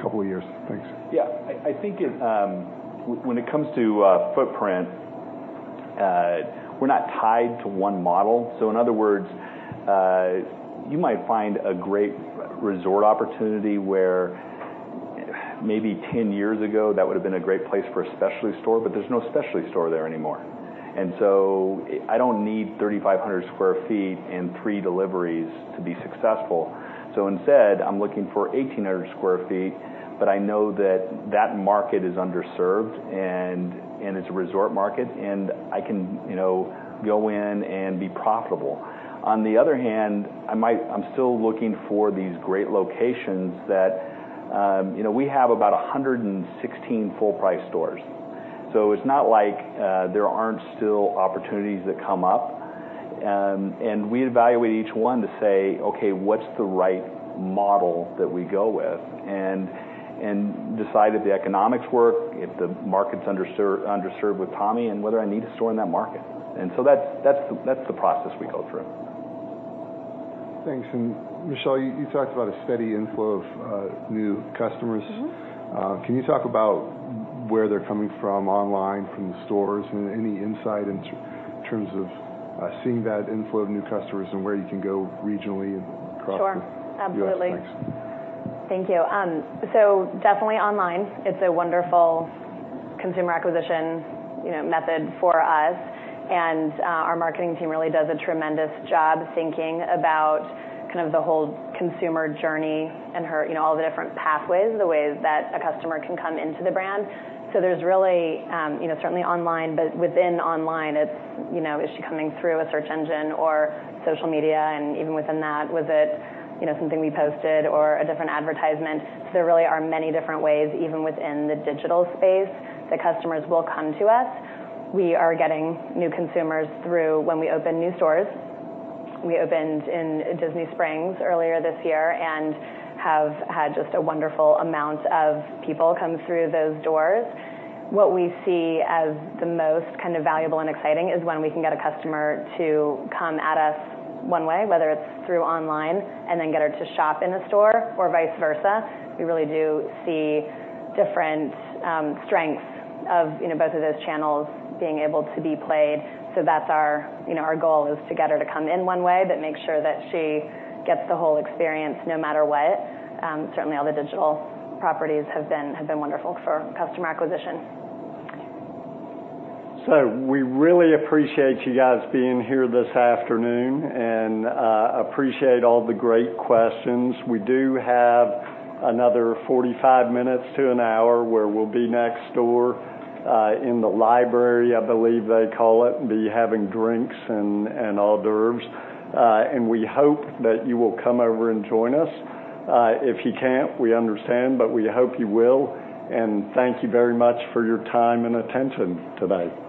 G: couple of years? Thanks.
B: Yeah. I think when it comes to footprint, we're not tied to one model. In other words, you might find a great resort opportunity where maybe 10 years ago, that would've been a great place for a specialty store, but there's no specialty store there anymore. I don't need 3,500 sq ft and three deliveries to be successful. Instead, I'm looking for 1,800 sq ft, but I know that that market is underserved, and it's a resort market, and I can go in and be profitable. On the other hand, I'm still looking for these great locations that. We have about 116 full-price stores. It's not like there aren't still opportunities that come up. We evaluate each one to say, "Okay, what's the right model that we go with?" Decide if the economics work, if the market's underserved with Tommy, and whether I need a store in that market. That's the process we go through.
G: Thanks. Michelle, you talked about a steady inflow of new customers. Can you talk about where they're coming from online, from the stores, and any insight in terms of seeing that inflow of new customers and where you can go regionally and across the-
D: Sure. Absolutely
G: U.S. markets?
D: Thank you. Definitely online. It's a wonderful consumer acquisition method for us. Our marketing team really does a tremendous job thinking about the whole consumer journey and all the different pathways, the ways that a customer can come into the brand. There's really certainly online, but within online, is she coming through a search engine or social media? Even within that, was it something we posted or a different advertisement? There really are many different ways, even within the digital space, that customers will come to us. We are getting new consumers through when we open new stores. We opened in Disney Springs earlier this year and have had just a wonderful amount of people come through those doors. What we see as the most valuable and exciting is when we can get a customer to come at us one way, whether it's through online, and then get her to shop in the store or vice versa. We really do see different strengths of both of those channels being able to be played. That's our goal, is to get her to come in one way, but make sure that she gets the whole experience no matter what. Certainly, all the digital properties have been wonderful for customer acquisition.
A: We really appreciate you guys being here this afternoon and appreciate all the great questions. We do have another 45 minutes to an hour where we'll be next door, in the library, I believe they call it, and be having drinks and hors d'oeuvres. We hope that you will come over and join us. If you can't, we understand, but we hope you will. Thank you very much for your time and attention today.